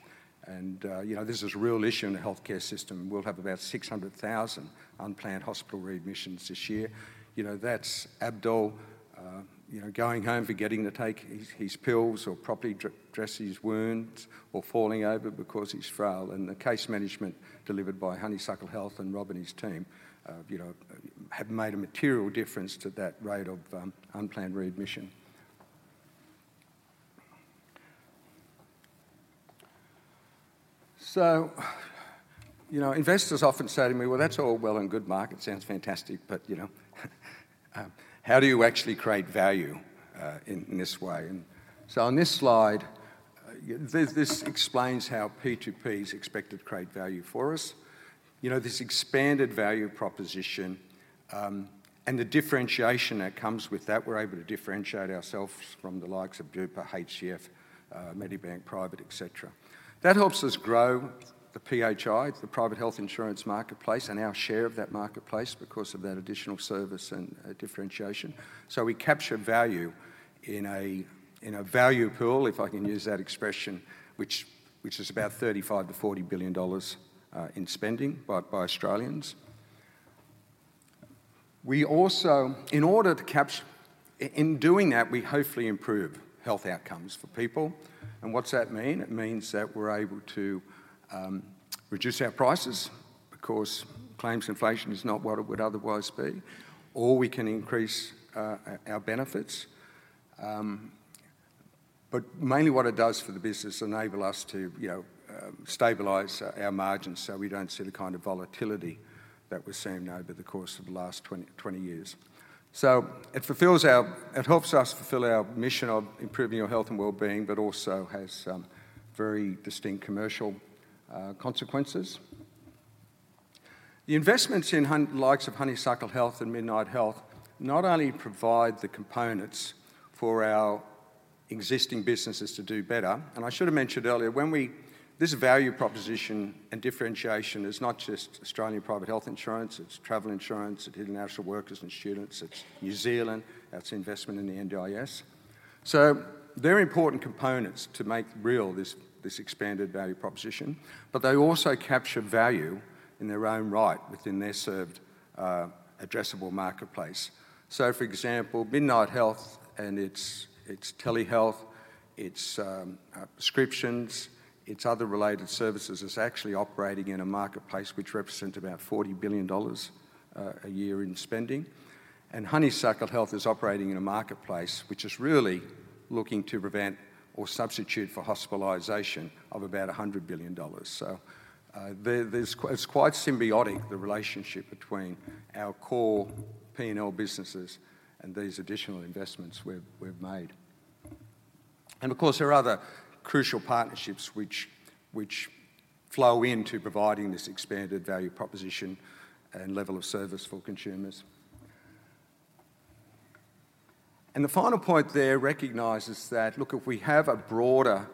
This is a real issue in the healthcare system. We'll have about 600,000 unplanned hospital readmissions this year. That's Abdul going home forgetting to take his pills or properly dress his wounds or falling over because he's frail. The case management delivered by Honeysuckle Health and Rob and his team have made a material difference to that rate of unplanned readmission. Investors often say to me, "Well, that's all well and good, Mark. It sounds fantastic. But how do you actually create value in this way?" On this slide, this explains how P2P is expected to create value for us. This expanded value proposition and the differentiation that comes with that, we're able to differentiate ourselves from the likes of Bupa, HCF, Medibank Private, etc. That helps us grow the PHI, the private health insurance marketplace, and our share of that marketplace because of that additional service and differentiation. So we capture value in a value pool, if I can use that expression, which is about 35-40 billion dollars in spending by Australians. In order to capture in doing that, we hopefully improve health outcomes for people. And what's that mean? It means that we're able to reduce our prices because claims inflation is not what it would otherwise be, or we can increase our benefits. But mainly what it does for the business is enable us to stabilize our margins so we don't see the kind of volatility that we've seen over the course of the last 20 years. So it helps us fulfill our mission of improving your health and well-being, but also has very distinct commercial consequences. The investments in the likes of Honeysuckle Health and Midnight Health not only provide the components for our existing businesses to do better. And I should have mentioned earlier when this value proposition and differentiation is not just Australian private health insurance, it's travel insurance, it's international workers and students, it's New Zealand, that's investment in the NDIS. So they're important components to make real this expanded value proposition, but they also capture value in their own right within their served addressable marketplace. So for example, Midnight Health and its telehealth, its prescriptions, its other related services is actually operating in a marketplace which represents about 40 billion dollars a year in spending. And Honeysuckle Health is operating in a marketplace which is really looking to prevent or substitute for hospitalization of about 100 billion dollars. So it's quite symbiotic, the relationship between our core P&L businesses and these additional investments we've made. And of course, there are other crucial partnerships which flow into providing this expanded value proposition and level of service for consumers. And the final point there recognizes that, look, if we have a broader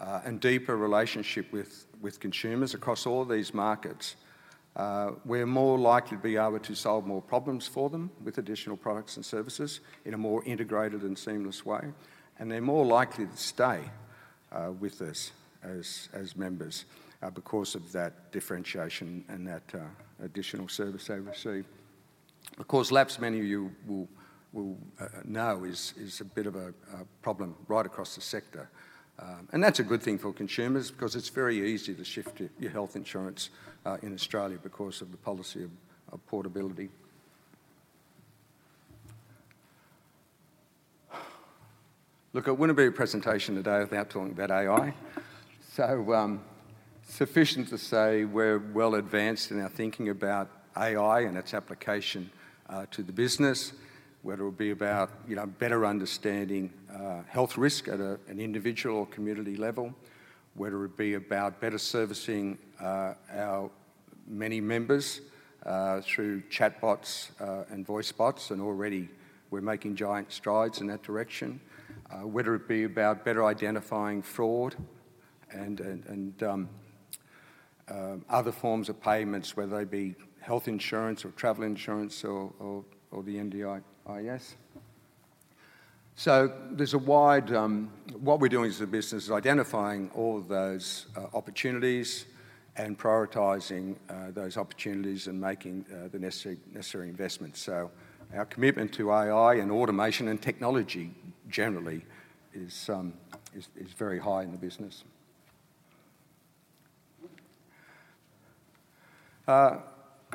and deeper relationship with consumers across all these markets, we're more likely to be able to solve more problems for them with additional products and services in a more integrated and seamless way. And they're more likely to stay with us as members because of that differentiation and that additional service they receive. Of course, lapse, many of you will know, is a bit of a problem right across the sector. And that's a good thing for consumers because it's very easy to shift your health insurance in Australia because of the policy of portability. Look, I wouldn't be a presentation today without talking about AI. So, sufficient to say we're well advanced in our thinking about AI and its application to the business, whether it be about better understanding health risk at an individual or community level, whether it be about better servicing our many members through chatbots and voice bots, and already we're making giant strides in that direction, whether it be about better identifying fraud and other forms of payments, whether they be health insurance or travel insurance or the NDIS. So, there's a wide. What we're doing as a business is identifying all those opportunities and prioritizing those opportunities and making the necessary investments. So our commitment to AI and automation and technology generally is very high in the business.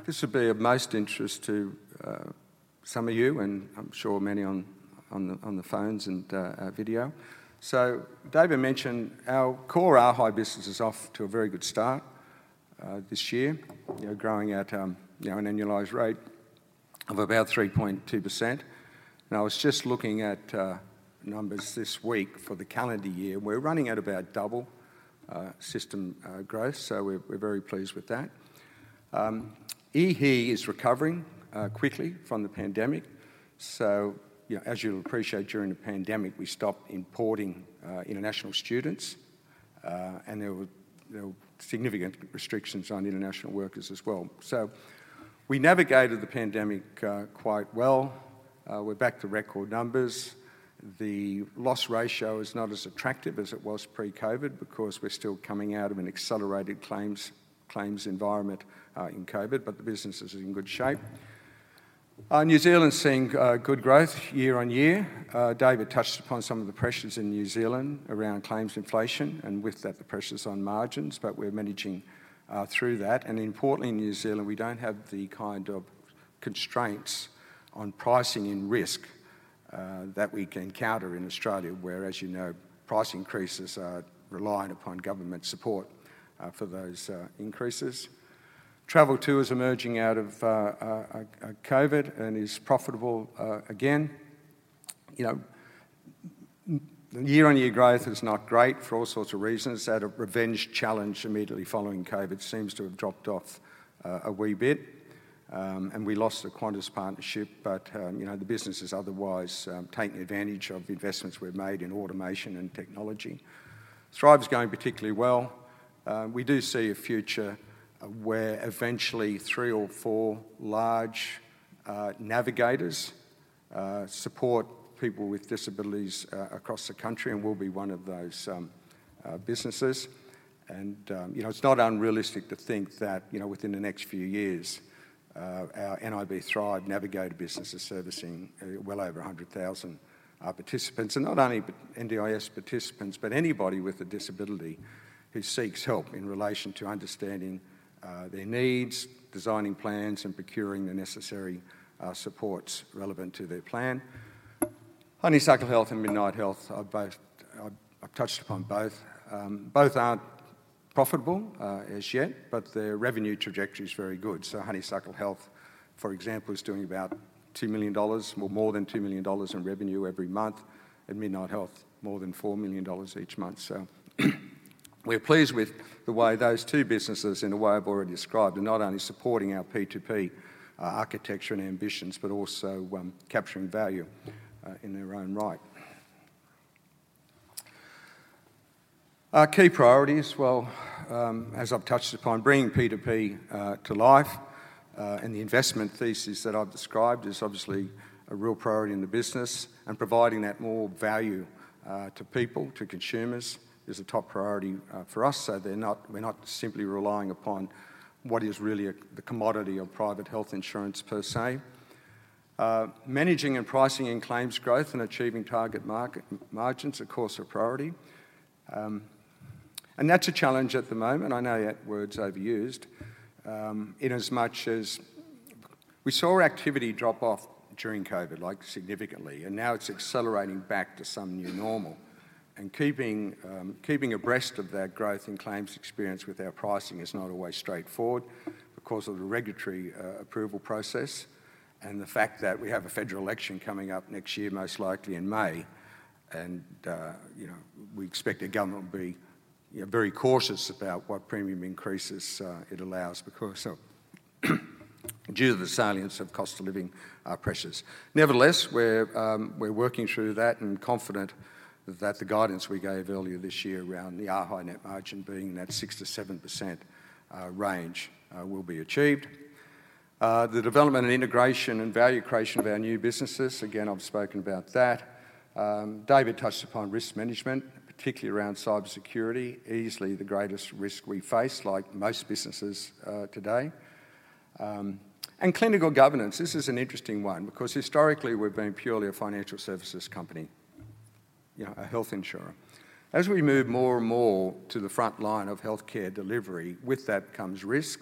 This will be of most interest to some of you, and I'm sure many on the phones and video. David mentioned our core AHI business is off to a very good start this year, growing at an annualized rate of about 3.2%. I was just looking at numbers this week for the calendar year. We're running at about double system growth, so we're very pleased with that. EHE is recovering quickly from the pandemic. As you'll appreciate, during the pandemic, we stopped importing international students, and there were significant restrictions on international workers as well. We navigated the pandemic quite well. We're back to record numbers. The loss ratio is not as attractive as it was pre-COVID because we're still coming out of an accelerated claims environment in COVID, but the business is in good shape. New Zealand's seeing good growth year on year. David touched upon some of the pressures in New Zealand around claims inflation, and with that, the pressures on margins, but we're managing through that. And importantly, in New Zealand, we don't have the kind of constraints on pricing and risk that we can encounter in Australia, where, as you know, price increases are reliant upon government support for those increases. Travel's emerging out of COVID and is profitable again. Year-on-year growth is not great for all sorts of reasons. That revenge travel immediately following COVID seems to have dropped off a wee bit. And we lost the Qantas partnership, but the business is otherwise taking advantage of investments we've made in automation and technology. Thrive is going particularly well. We do see a future where eventually three or four large navigators support people with disabilities across the country and will be one of those businesses. It's not unrealistic to think that within the next few years, our nib Thrive navigator business is servicing well over 100,000 participants. Not only NDIS participants, but anybody with a disability who seeks help in relation to understanding their needs, designing plans, and procuring the necessary supports relevant to their plan. Honeysuckle Health and Midnight Health, I've touched upon both. Both aren't profitable as yet, but their revenue trajectory is very good. Honeysuckle Health, for example, is doing about 2 million dollars, or more than 2 million dollars in revenue every month, and Midnight Health more than 4 million dollars each month. We're pleased with the way those two businesses, in a way I've already described, are not only supporting our P2P architecture and ambitions, but also capturing value in their own right. Our key priorities, well, as I've touched upon, bringing P2P to life and the investment thesis that I've described is obviously a real priority in the business, and providing that more value to people, to consumers, is a top priority for us so we're not simply relying upon what is really the commodity of private health insurance per se. Managing and pricing in claims growth and achieving target margins, of course, are a priority and that's a challenge at the moment. I know that word's overused in as much as we saw activity drop off during COVID, like significantly, and now it's accelerating back to some new normal. Keeping abreast of that growth in claims experience with our pricing is not always straightforward because of the regulatory approval process and the fact that we have a federal election coming up next year, most likely in May, and we expect the government will be very cautious about what premium increases it allows because due to the salience of cost of living pressures. Nevertheless, we're working through that and confident that the guidance we gave earlier this year around the AHI net margin being that 6%-7% range will be achieved. The development and integration and value creation of our new businesses, again, I've spoken about that. David touched upon risk management, particularly around cybersecurity, easily the greatest risk we face, like most businesses today. And clinical governance, this is an interesting one because historically we've been purely a financial services company, a health insurer. As we move more and more to the front line of healthcare delivery, with that comes risk,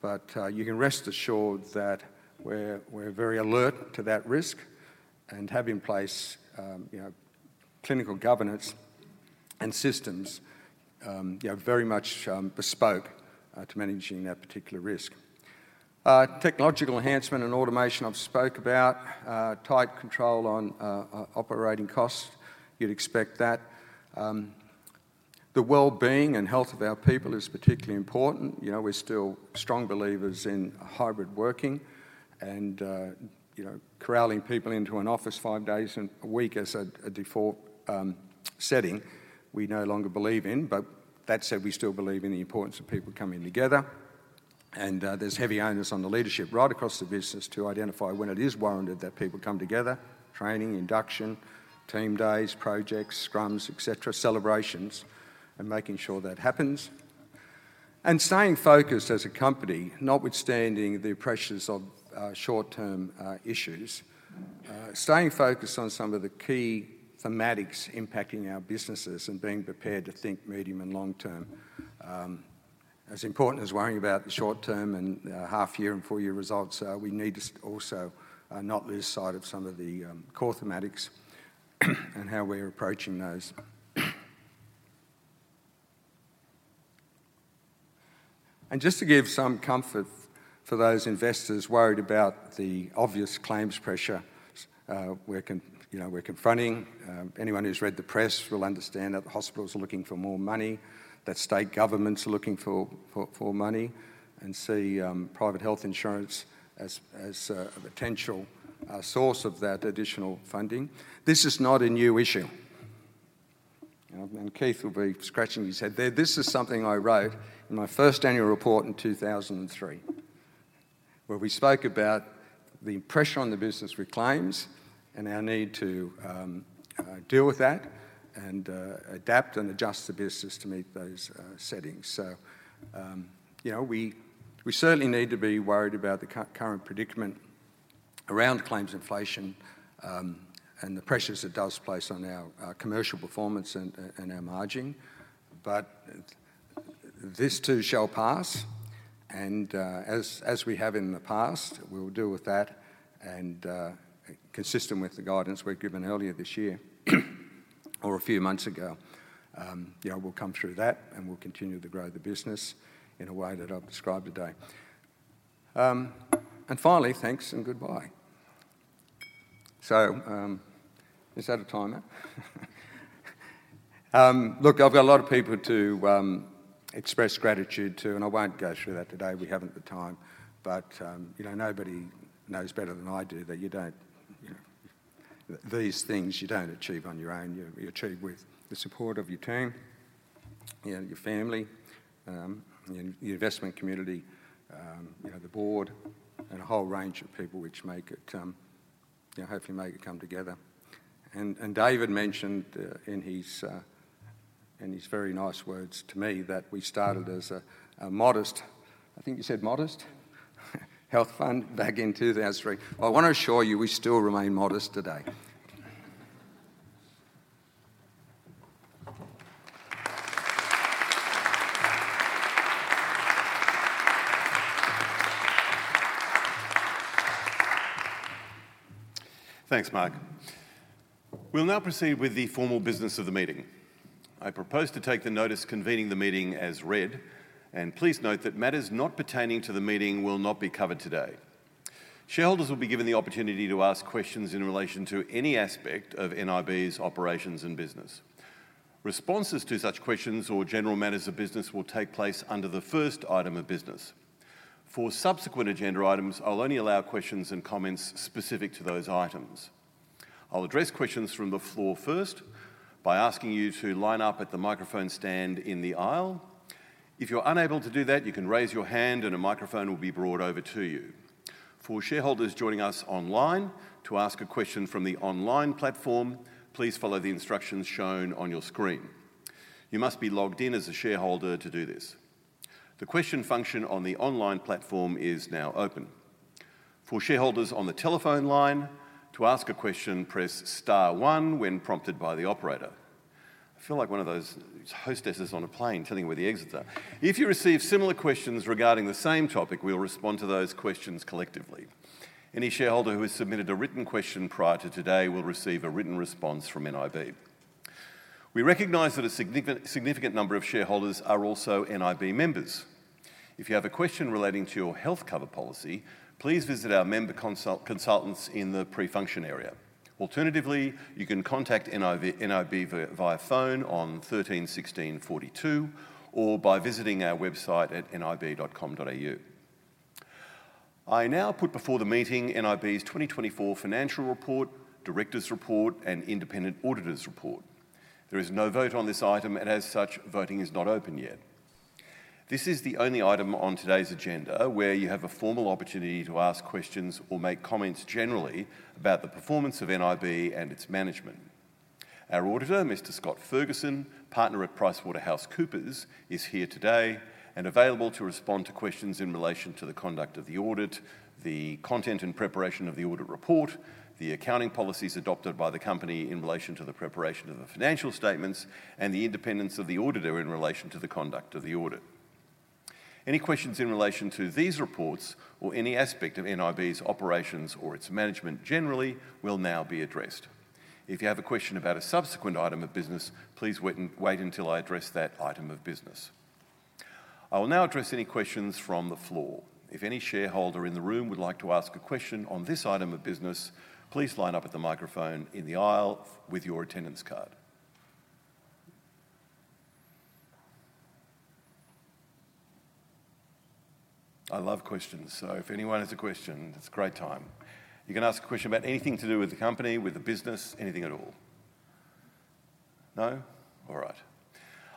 but you can rest assured that we're very alert to that risk and have in place clinical governance and systems very much bespoke to managing that particular risk. Technological enhancement and automation I've spoke about, tight control on operating costs, you'd expect that. The well-being and health of our people is particularly important. We're still strong believers in hybrid working and corralling people into an office five days a week as a default setting. We no longer believe in, but that said, we still believe in the importance of people coming together, and there's heavy onus on the leadership right across the business to identify when it is warranted that people come together, training, induction, team days, projects, scrums, etc., celebrations, and making sure that happens. Staying focused as a company, notwithstanding the pressures of short-term issues, staying focused on some of the key thematics impacting our businesses and being prepared to think medium and long-term. As important as worrying about the short-term and half-year and full-year results, we need to also not lose sight of some of the core thematics and how we're approaching those. Just to give some comfort for those investors worried about the obvious claims pressure we're confronting, anyone who's read the press will understand that the hospitals are looking for more money, that state governments are looking for more money, and see private health insurance as a potential source of that additional funding. This is not a new issue. Keith will be scratching his head there. This is something I wrote in my first annual report in 2003, where we spoke about the pressure on the business with claims and our need to deal with that and adapt and adjust the business to meet those settings. So we certainly need to be worried about the current predicament around claims inflation and the pressures it does place on our commercial performance and our margin. But this too shall pass, and as we have in the past, we'll deal with that. And consistent with the guidance we're given earlier this year or a few months ago, we'll come through that and we'll continue to grow the business in a way that I've described today. And finally, thanks and goodbye. So is that a timer? Look, I've got a lot of people to express gratitude to, and I won't go through that today. We haven't the time, but nobody knows better than I do that these things you don't achieve on your own. You achieve with the support of your team, your family, your investment community, the board, and a whole range of people which hopefully make it come together. And David mentioned in his very nice words to me that we started as a modest - I think you said modest - health fund back in 2003. I want to assure you we still remain modest today. Thanks, Mark. We'll now proceed with the formal business of the meeting. I propose to take the notice convening the meeting as read, and please note that matters not pertaining to the meeting will not be covered today. Shareholders will be given the opportunity to ask questions in relation to any aspect of nib's operations and business. Responses to such questions or general matters of business will take place under the first item of business. For subsequent agenda items, I'll only allow questions and comments specific to those items. I'll address questions from the floor first by asking you to line up at the microphone stand in the aisle. If you're unable to do that, you can raise your hand and a microphone will be brought over to you. For shareholders joining us online to ask a question from the online platform, please follow the instructions shown on your screen. You must be logged in as a shareholder to do this. The question function on the online platform is now open. For shareholders on the telephone line to ask a question, press star one when prompted by the operator. I feel like one of those hostesses on a plane telling me where the exits are. If you receive similar questions regarding the same topic, we'll respond to those questions collectively. Any shareholder who has submitted a written question prior to today will receive a written response from NIB. We recognize that a significant number of shareholders are also NIB members. If you have a question relating to your health cover policy, please visit our member consultants in the pre-function area. Alternatively, you can contact nib via phone on 131642 or by visiting our website at nib.com.au. I now put before the meeting NIB's 2024 financial report, Director's Report, and independent auditor's report. There is no vote on this item, and as such, voting is not open yet. This is the only item on today's agenda where you have a formal opportunity to ask questions or make comments generally about the performance of nib and its management. Our auditor, Mr. Scott Ferguson, partner at PricewaterhouseCoopers, is here today and available to respond to questions in relation to the conduct of the audit, the content and preparation of the audit report, the accounting policies adopted by the company in relation to the preparation of the financial statements, and the independence of the auditor in relation to the conduct of the audit. Any questions in relation to these reports or any aspect of NIB's operations or its management generally will now be addressed. If you have a question about a subsequent item of business, please wait until I address that item of business. I will now address any questions from the floor. If any shareholder in the room would like to ask a question on this item of business, please line up at the microphone in the aisle with your attendance card. I love questions, so if anyone has a question, it's a great time. You can ask a question about anything to do with the company, with the business, anything at all. No? All right.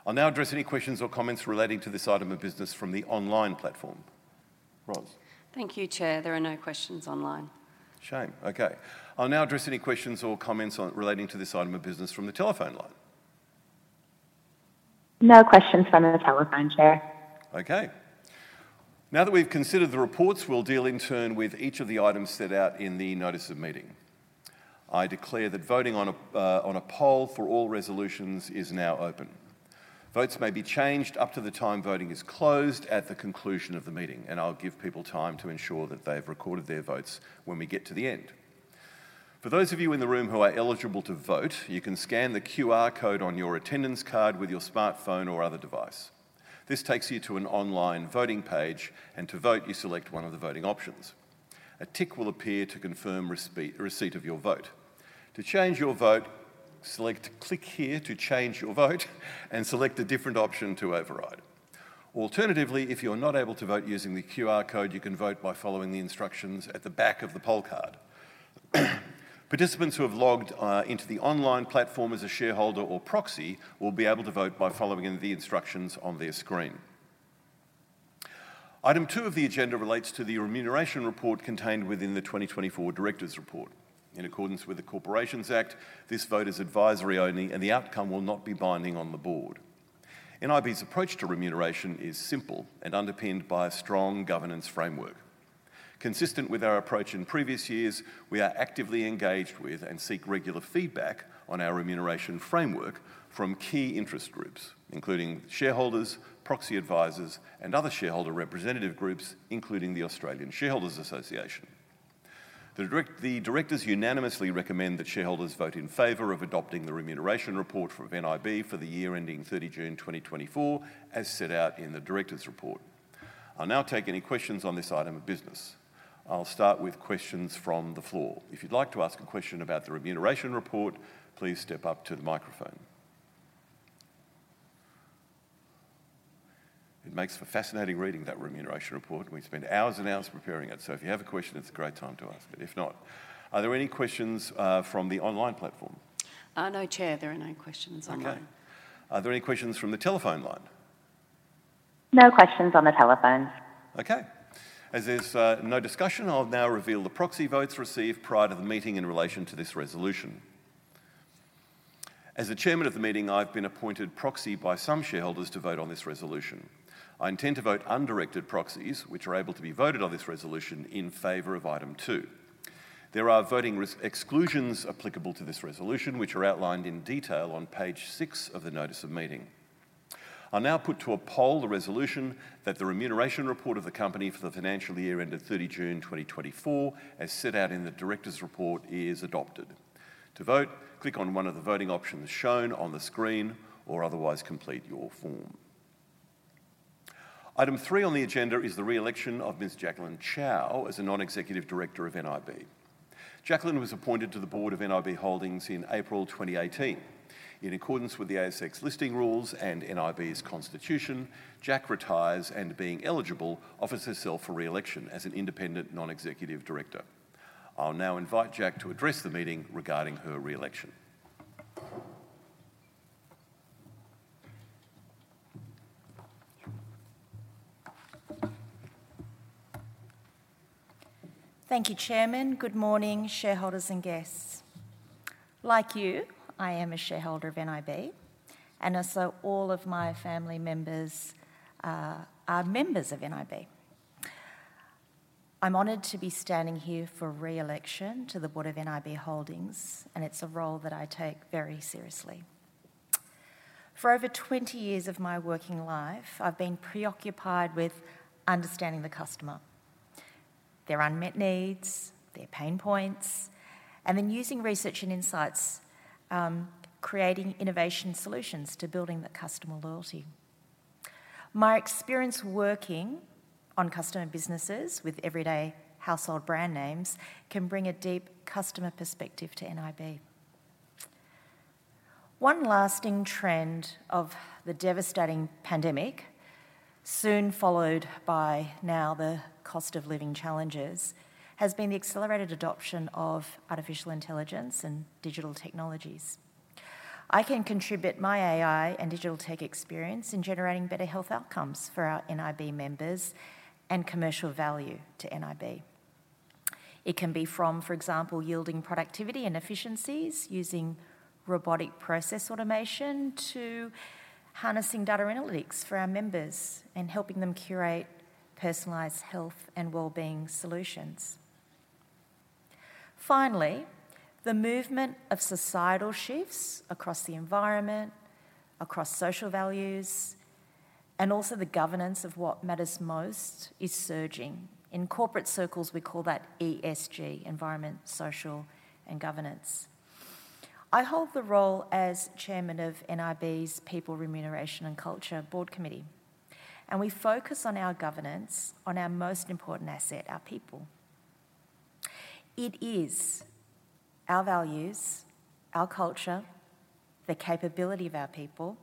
I'll now address any questions or comments relating to this item of business from the online platform. Ross. Thank you, Chair. There are no questions online. Shame. Okay. I'll now address any questions or comments relating to this item of business from the telephone line. No questions from the telephone, Chair. Okay. Now that we've considered the reports, we'll deal in turn with each of the items set out in the notice of meeting. I declare that voting on a poll for all resolutions is now open. Votes may be changed up to the time voting is closed at the conclusion of the meeting, and I'll give people time to ensure that they've recorded their votes when we get to the end. For those of you in the room who are eligible to vote, you can scan the QR code on your attendance card with your smartphone or other device. This takes you to an online voting page, and to vote, you select one of the voting options. A tick will appear to confirm receipt of your vote. To change your vote, click here to change your vote and select a different option to override. Alternatively, if you're not able to vote using the QR code, you can vote by following the instructions at the back of the poll card. Participants who have logged into the online platform as a shareholder or proxy will be able to vote by following the instructions on their screen. Item two of the agenda relates to the remuneration report contained within the 2024 director's report. In accordance with the Corporations Act, this vote is advisory only, and the outcome will not be binding on the board. NIB's approach to remuneration is simple and underpinned by a strong governance framework. Consistent with our approach in previous years, we are actively engaged with and seek regular feedback on our remuneration framework from key interest groups, including shareholders, proxy advisors, and other shareholder representative groups, including the Australian Shareholders Association. The directors unanimously recommend that shareholders vote in favor of adopting the remuneration report from NIB for the year ending 30 June 2024, as set out in the director's report. I'll now take any questions on this item of business. I'll start with questions from the floor. If you'd like to ask a question about the remuneration report, please step up to the microphone. It makes for fascinating reading, that remuneration report. We spend hours and hours preparing it, so if you have a question, it's a great time to ask it. If not, are there any questions from the online platform? No, Chair, there are no questions online. Okay. Are there any questions from the telephone line? No questions on the telephone. Okay. As there's no discussion, I'll now reveal the proxy votes received prior to the meeting in relation to this resolution. As the chairman of the meeting, I've been appointed proxy by some shareholders to vote on this resolution. I intend to vote undirected proxies, which are able to be voted on this resolution, in favor of item two. There are voting risk exclusions applicable to this resolution, which are outlined in detail on page six of the notice of meeting. I'll now put to a poll the resolution that the remuneration report of the company for the financial year ended 30 June 2024, as set out in the director's report, is adopted. To vote, click on one of the voting options shown on the screen or otherwise complete your form. Item three on the agenda is the re-election of Ms. Jacqueline Chow as a non-executive director of NIB. Jacqueline was appointed to the board of nib Holdings in April 2018. In accordance with the ASX listing rules and nib's constitution, Jack retires and, being eligible, offers herself for re-election as an independent non-executive director. I'll now invite Jacqueline to address the meeting regarding her re-election. Thank you, Chairman. Good morning, shareholders and guests. Like you, I am a shareholder of nib, and so all of my family members are members of nib. I'm honored to be standing here for re-election to the board of nib Holdings, and it's a role that I take very seriously. For over 20 years of my working life, I've been preoccupied with understanding the customer, their unmet needs, their pain points, and then using research and insights, creating innovative solutions to building the customer loyalty. My experience working on customer businesses with everyday household brand names can bring a deep customer perspective to nib. One lasting trend of the devastating pandemic, soon followed by now the cost of living challenges, has been the accelerated adoption of artificial intelligence and digital technologies. I can contribute my AI and digital tech experience in generating better health outcomes for our nib members and commercial value to nib. It can be from, for example, yielding productivity and efficiencies using robotic process automation to harnessing data analytics for our members and helping them curate personalized health and well-being solutions. Finally, the movement of societal shifts across the environment, across social values, and also the governance of what matters most is surging. In corporate circles, we call that ESG, Environment, Social, and Governance. I hold the role as chairman of nib's People, Remuneration, and Culture Board Committee, and we focus on our governance on our most important asset, our people. It is our values, our culture, the capability of our people,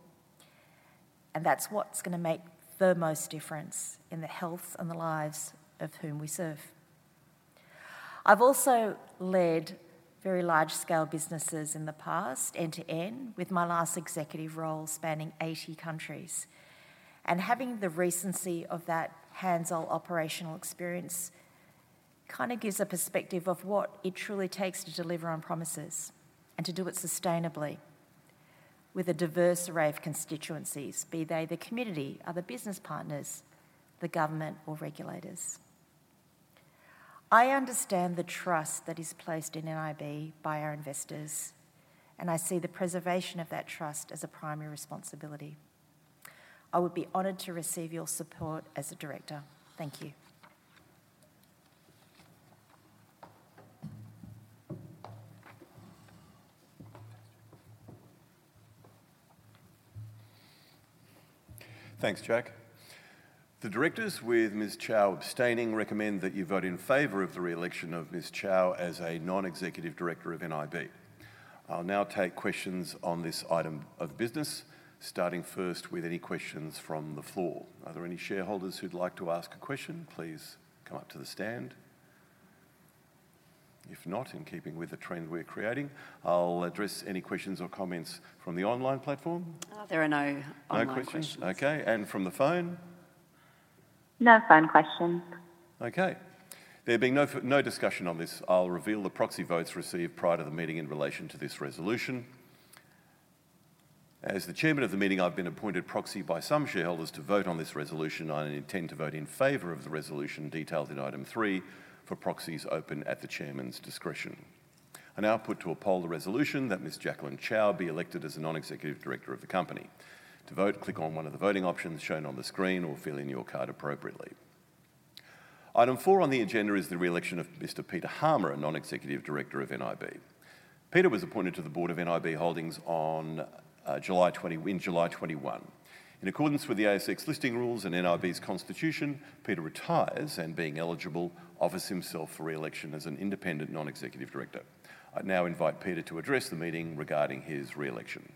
and that's what's going to make the most difference in the health and the lives of whom we serve. I've also led very large-scale businesses in the past, end to end, with my last executive role spanning 80 countries, and having the recency of that hands-on operational experience kind of gives a perspective of what it truly takes to deliver on promises and to do it sustainably with a diverse array of constituencies, be they the community, other business partners, the government, or regulators. I understand the trust that is placed in nib by our investors, and I see the preservation of that trust as a primary responsibility. I would be honored to receive your support as a director. Thank you. Thanks, Jack. The directors, with Ms. Chow abstaining, recommend that you vote in favor of the re-election of Ms. Chow as a non-executive director of nib. I'll now take questions on this item of business, starting first with any questions from the floor. Are there any shareholders who'd like to ask a question? Please come up to the stand. If not, in keeping with the trend we're creating, I'll address any questions or comments from the online platform. There are no online questions. No questions. Okay. And from the phone? No phone questions. Okay. There being no discussion on this, I'll reveal the proxy votes received prior to the meeting in relation to this resolution. As the chairman of the meeting, I've been appointed proxy by some shareholders to vote on this resolution and intend to vote in favor of the resolution detailed in item three for proxies open at the chairman's discretion. I now put to a poll the resolution that Ms. Jacqueline Chow be elected as a non-executive director of the company. To vote, click on one of the voting options shown on the screen or fill in your card appropriately. Item four on the agenda is the re-election of Mr. Peter Harmer, a non-executive director of nib. Peter was appointed to the board of nib Holdings in July 2021. In accordance with the ASX listing rules and NIB's constitution, Peter retires and, being eligible, offers himself for re-election as an independent non-executive director. I now invite Peter to address the meeting regarding his re-election.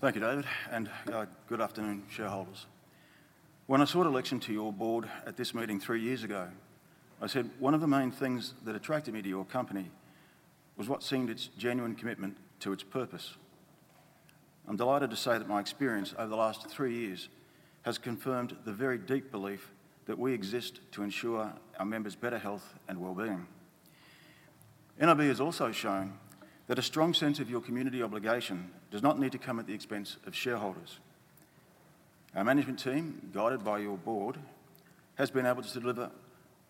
Thank you, David, and good afternoon, shareholders. When I stood for election to your board at this meeting three years ago, I said one of the main things that attracted me to your company was what seemed its genuine commitment to its purpose. I'm delighted to say that my experience over the last three years has confirmed the very deep belief that we exist to ensure our members' better health and wellbeing. nib has also shown that a strong sense of your community obligation does not need to come at the expense of shareholders. Our management team, guided by your board, has been able to deliver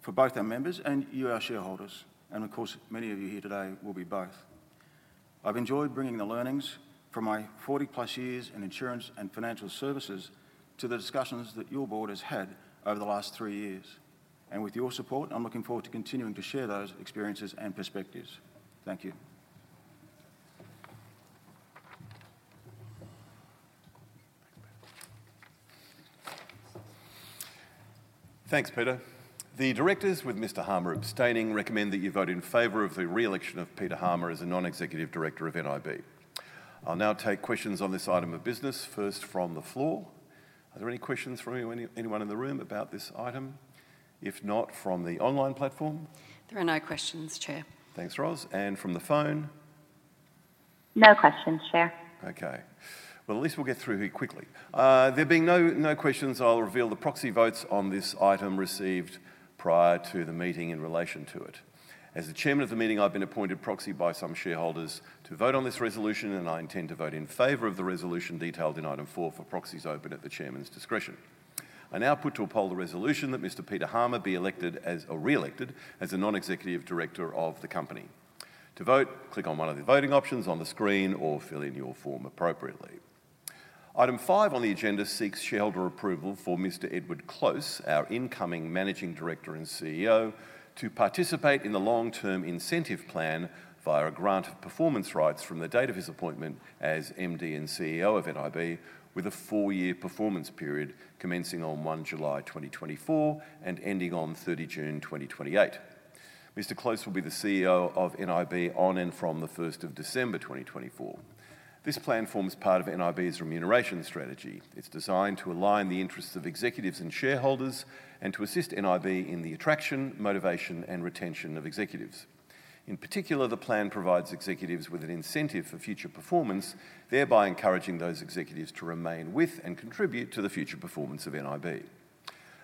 for both our members and you, our shareholders, and of course, many of you here today will be both. I've enjoyed bringing the learnings from my 40-plus years in insurance and financial services to the discussions that your board has had over the last three years. And with your support, I'm looking forward to continuing to share those experiences and perspectives. Thank you. Thanks, Peter. The directors, with Mr. Harmer abstaining, recommend that you vote in favor of the re-election of Peter Harmer as a non-executive director of NIB. I'll now take questions on this item of business first from the floor. Are there any questions from anyone in the room about this item? If not, from the online platform? There are no questions, Chair. Thanks, Ross. And from the phone? No questions, Chair. Okay. Well, at least we'll get through here quickly. There being no questions, I'll reveal the proxy votes on this item received prior to the meeting in relation to it. As the chairman of the meeting, I've been appointed proxy by some shareholders to vote on this resolution, and I intend to vote in favour of the resolution detailed in item four for proxies open at the chairman's discretion. I now put to a poll the resolution that Mr. Peter Harmer be re-elected as a non-executive director of the company. To vote, click on one of the voting options on the screen or fill in your form appropriately. Item five on the agenda seeks shareholder approval for Mr. Edward Close, our incoming managing director and CEO, to participate in the long-term incentive plan via a grant of performance rights from the date of his appointment as MD and CEO of nib, with a four-year performance period commencing on 1 July 2024 and ending on 30 June 2028. Mr. Close will be the CEO of nib on and from the 1st of December 2024. This plan forms part of n's remuneration strategy. It's designed to align the interests of executives and shareholders and to assist ni in the attraction, motivation, and retention of executives. In particular, the plan provides executives with an incentive for future performance, thereby encouraging those executives to remain with and contribute to the future performance of nib.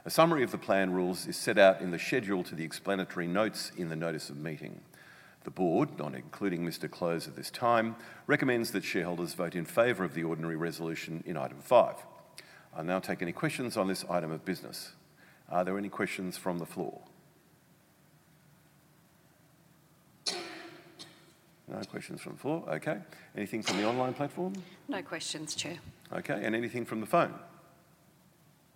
A summary of the plan rules is set out in the schedule to the explanatory notes in the notice of meeting. The board, not including Mr. Close, at this time, recommends that shareholders vote in favor of the ordinary resolution in item five. I'll now take any questions on this item of business. Are there any questions from the floor? No questions from the floor. Okay. Anything from the online platform? No questions, Chair. Okay. And anything from the phone?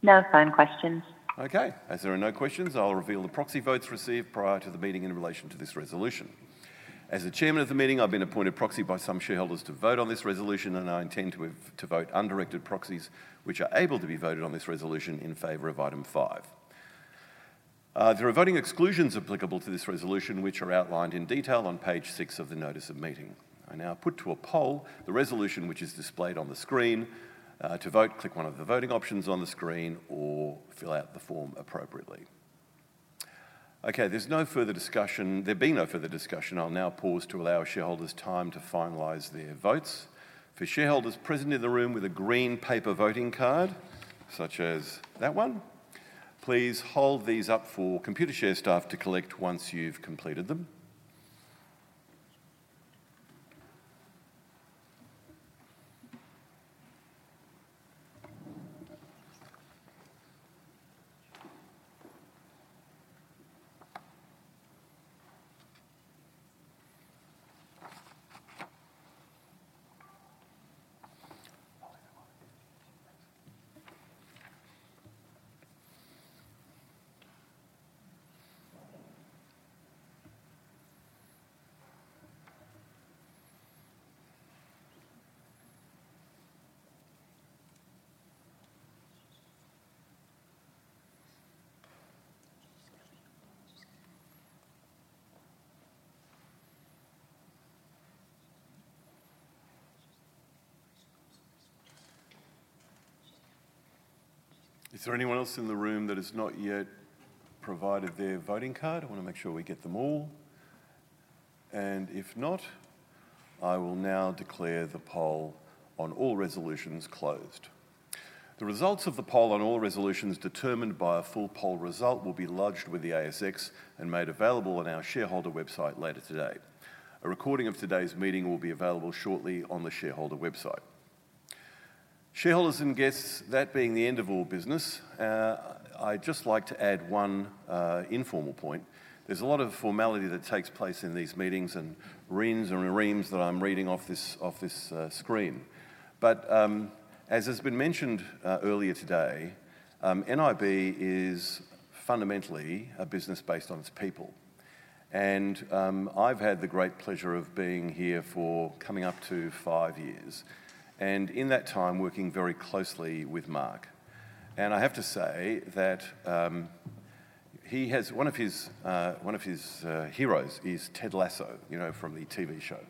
No phone questions. Okay. As there are no questions, I'll reveal the proxy votes received prior to the meeting in relation to this resolution. As the chairman of the meeting, I've been appointed proxy by some shareholders to vote on this resolution, and I intend to vote undirected proxies which are able to be voted on this resolution in favor of item five. There are voting exclusions applicable to this resolution which are outlined in detail on page six of the notice of meeting. I now put to a poll the resolution which is displayed on the screen. To vote, click one of the voting options on the screen or fill out the form appropriately. Okay. There's no further discussion. There being no further discussion, I'll now pause to allow shareholders time to finalize their votes. For shareholders present in the room with a green paper voting card, such as that one, please hold these up for Computershare staff to collect once you've completed them. Is there anyone else in the room that has not yet provided their voting card? I want to make sure we get them all, and if not, I will now declare the poll on all resolutions closed. The results of the poll on all resolutions determined by a full poll result will be lodged with the ASX and made available on our shareholder website later today. A recording of today's meeting will be available shortly on the shareholder website. Shareholders and guests, that being the end of all business, I'd just like to add one informal point. There's a lot of formality that takes place in these meetings and reams and reams that I'm reading off this screen, but as has been mentioned earlier today, nib is fundamentally a business based on its people, and I've had the great pleasure of being here for coming up to five years and in that time working very closely with Mark, and I have to say that he has one of his heroes is Ted Lasso from the TV show,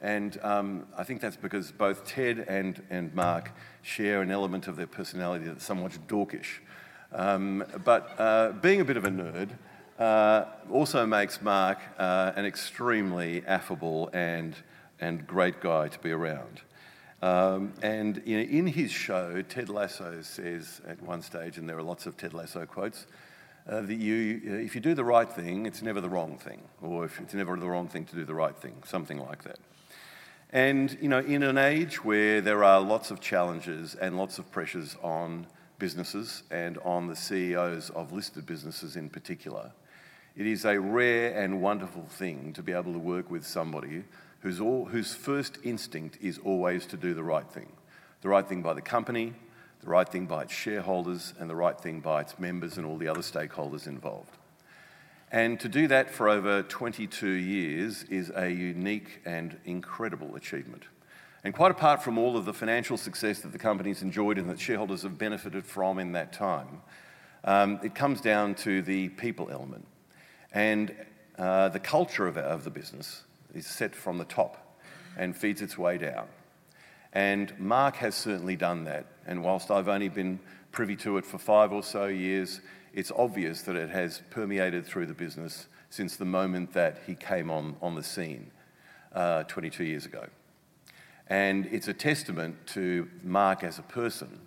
and I think that's because both Ted and Mark share an element of their personality that's somewhat dorkish, but being a bit of a nerd also makes Mark an extremely affable and great guy to be around. In his show, Ted Lasso says at one stage, and there are lots of Ted Lasso quotes, that if you do the right thing, it's never the wrong thing, or it's never the wrong thing to do the right thing, something like that. In an age where there are lots of challenges and lots of pressures on businesses and on the CEOs of listed businesses in particular, it is a rare and wonderful thing to be able to work with somebody whose first instinct is always to do the right thing, the right thing by the company, the right thing by its shareholders, and the right thing by its members and all the other stakeholders involved. To do that for over 22 years is a unique and incredible achievement. Quite apart from all of the financial success that the company's enjoyed and that shareholders have benefited from in that time, it comes down to the people element. The culture of the business is set from the top and feeds its way down. Mark has certainly done that. While I've only been privy to it for five or so years, it's obvious that it has permeated through the business since the moment that he came on the scene 22 years ago. It's a testament to Mark as a person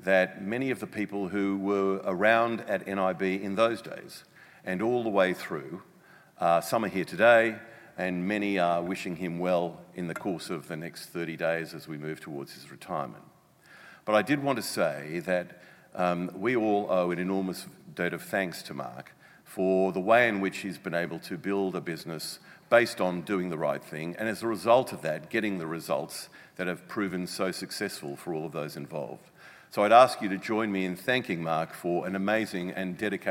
that many of the people who were around at nib in those days and all the way through, some are here today and many are wishing him well in the course of the next 30 days as we move towards his retirement. But I did want to say that we all owe an enormous debt of thanks to Mark for the way in which he's been able to build a business based on doing the right thing and as a result of that, getting the results that have proven so successful for all of those involved. So I'd ask you to join me in thanking Mark for an amazing and dedicated.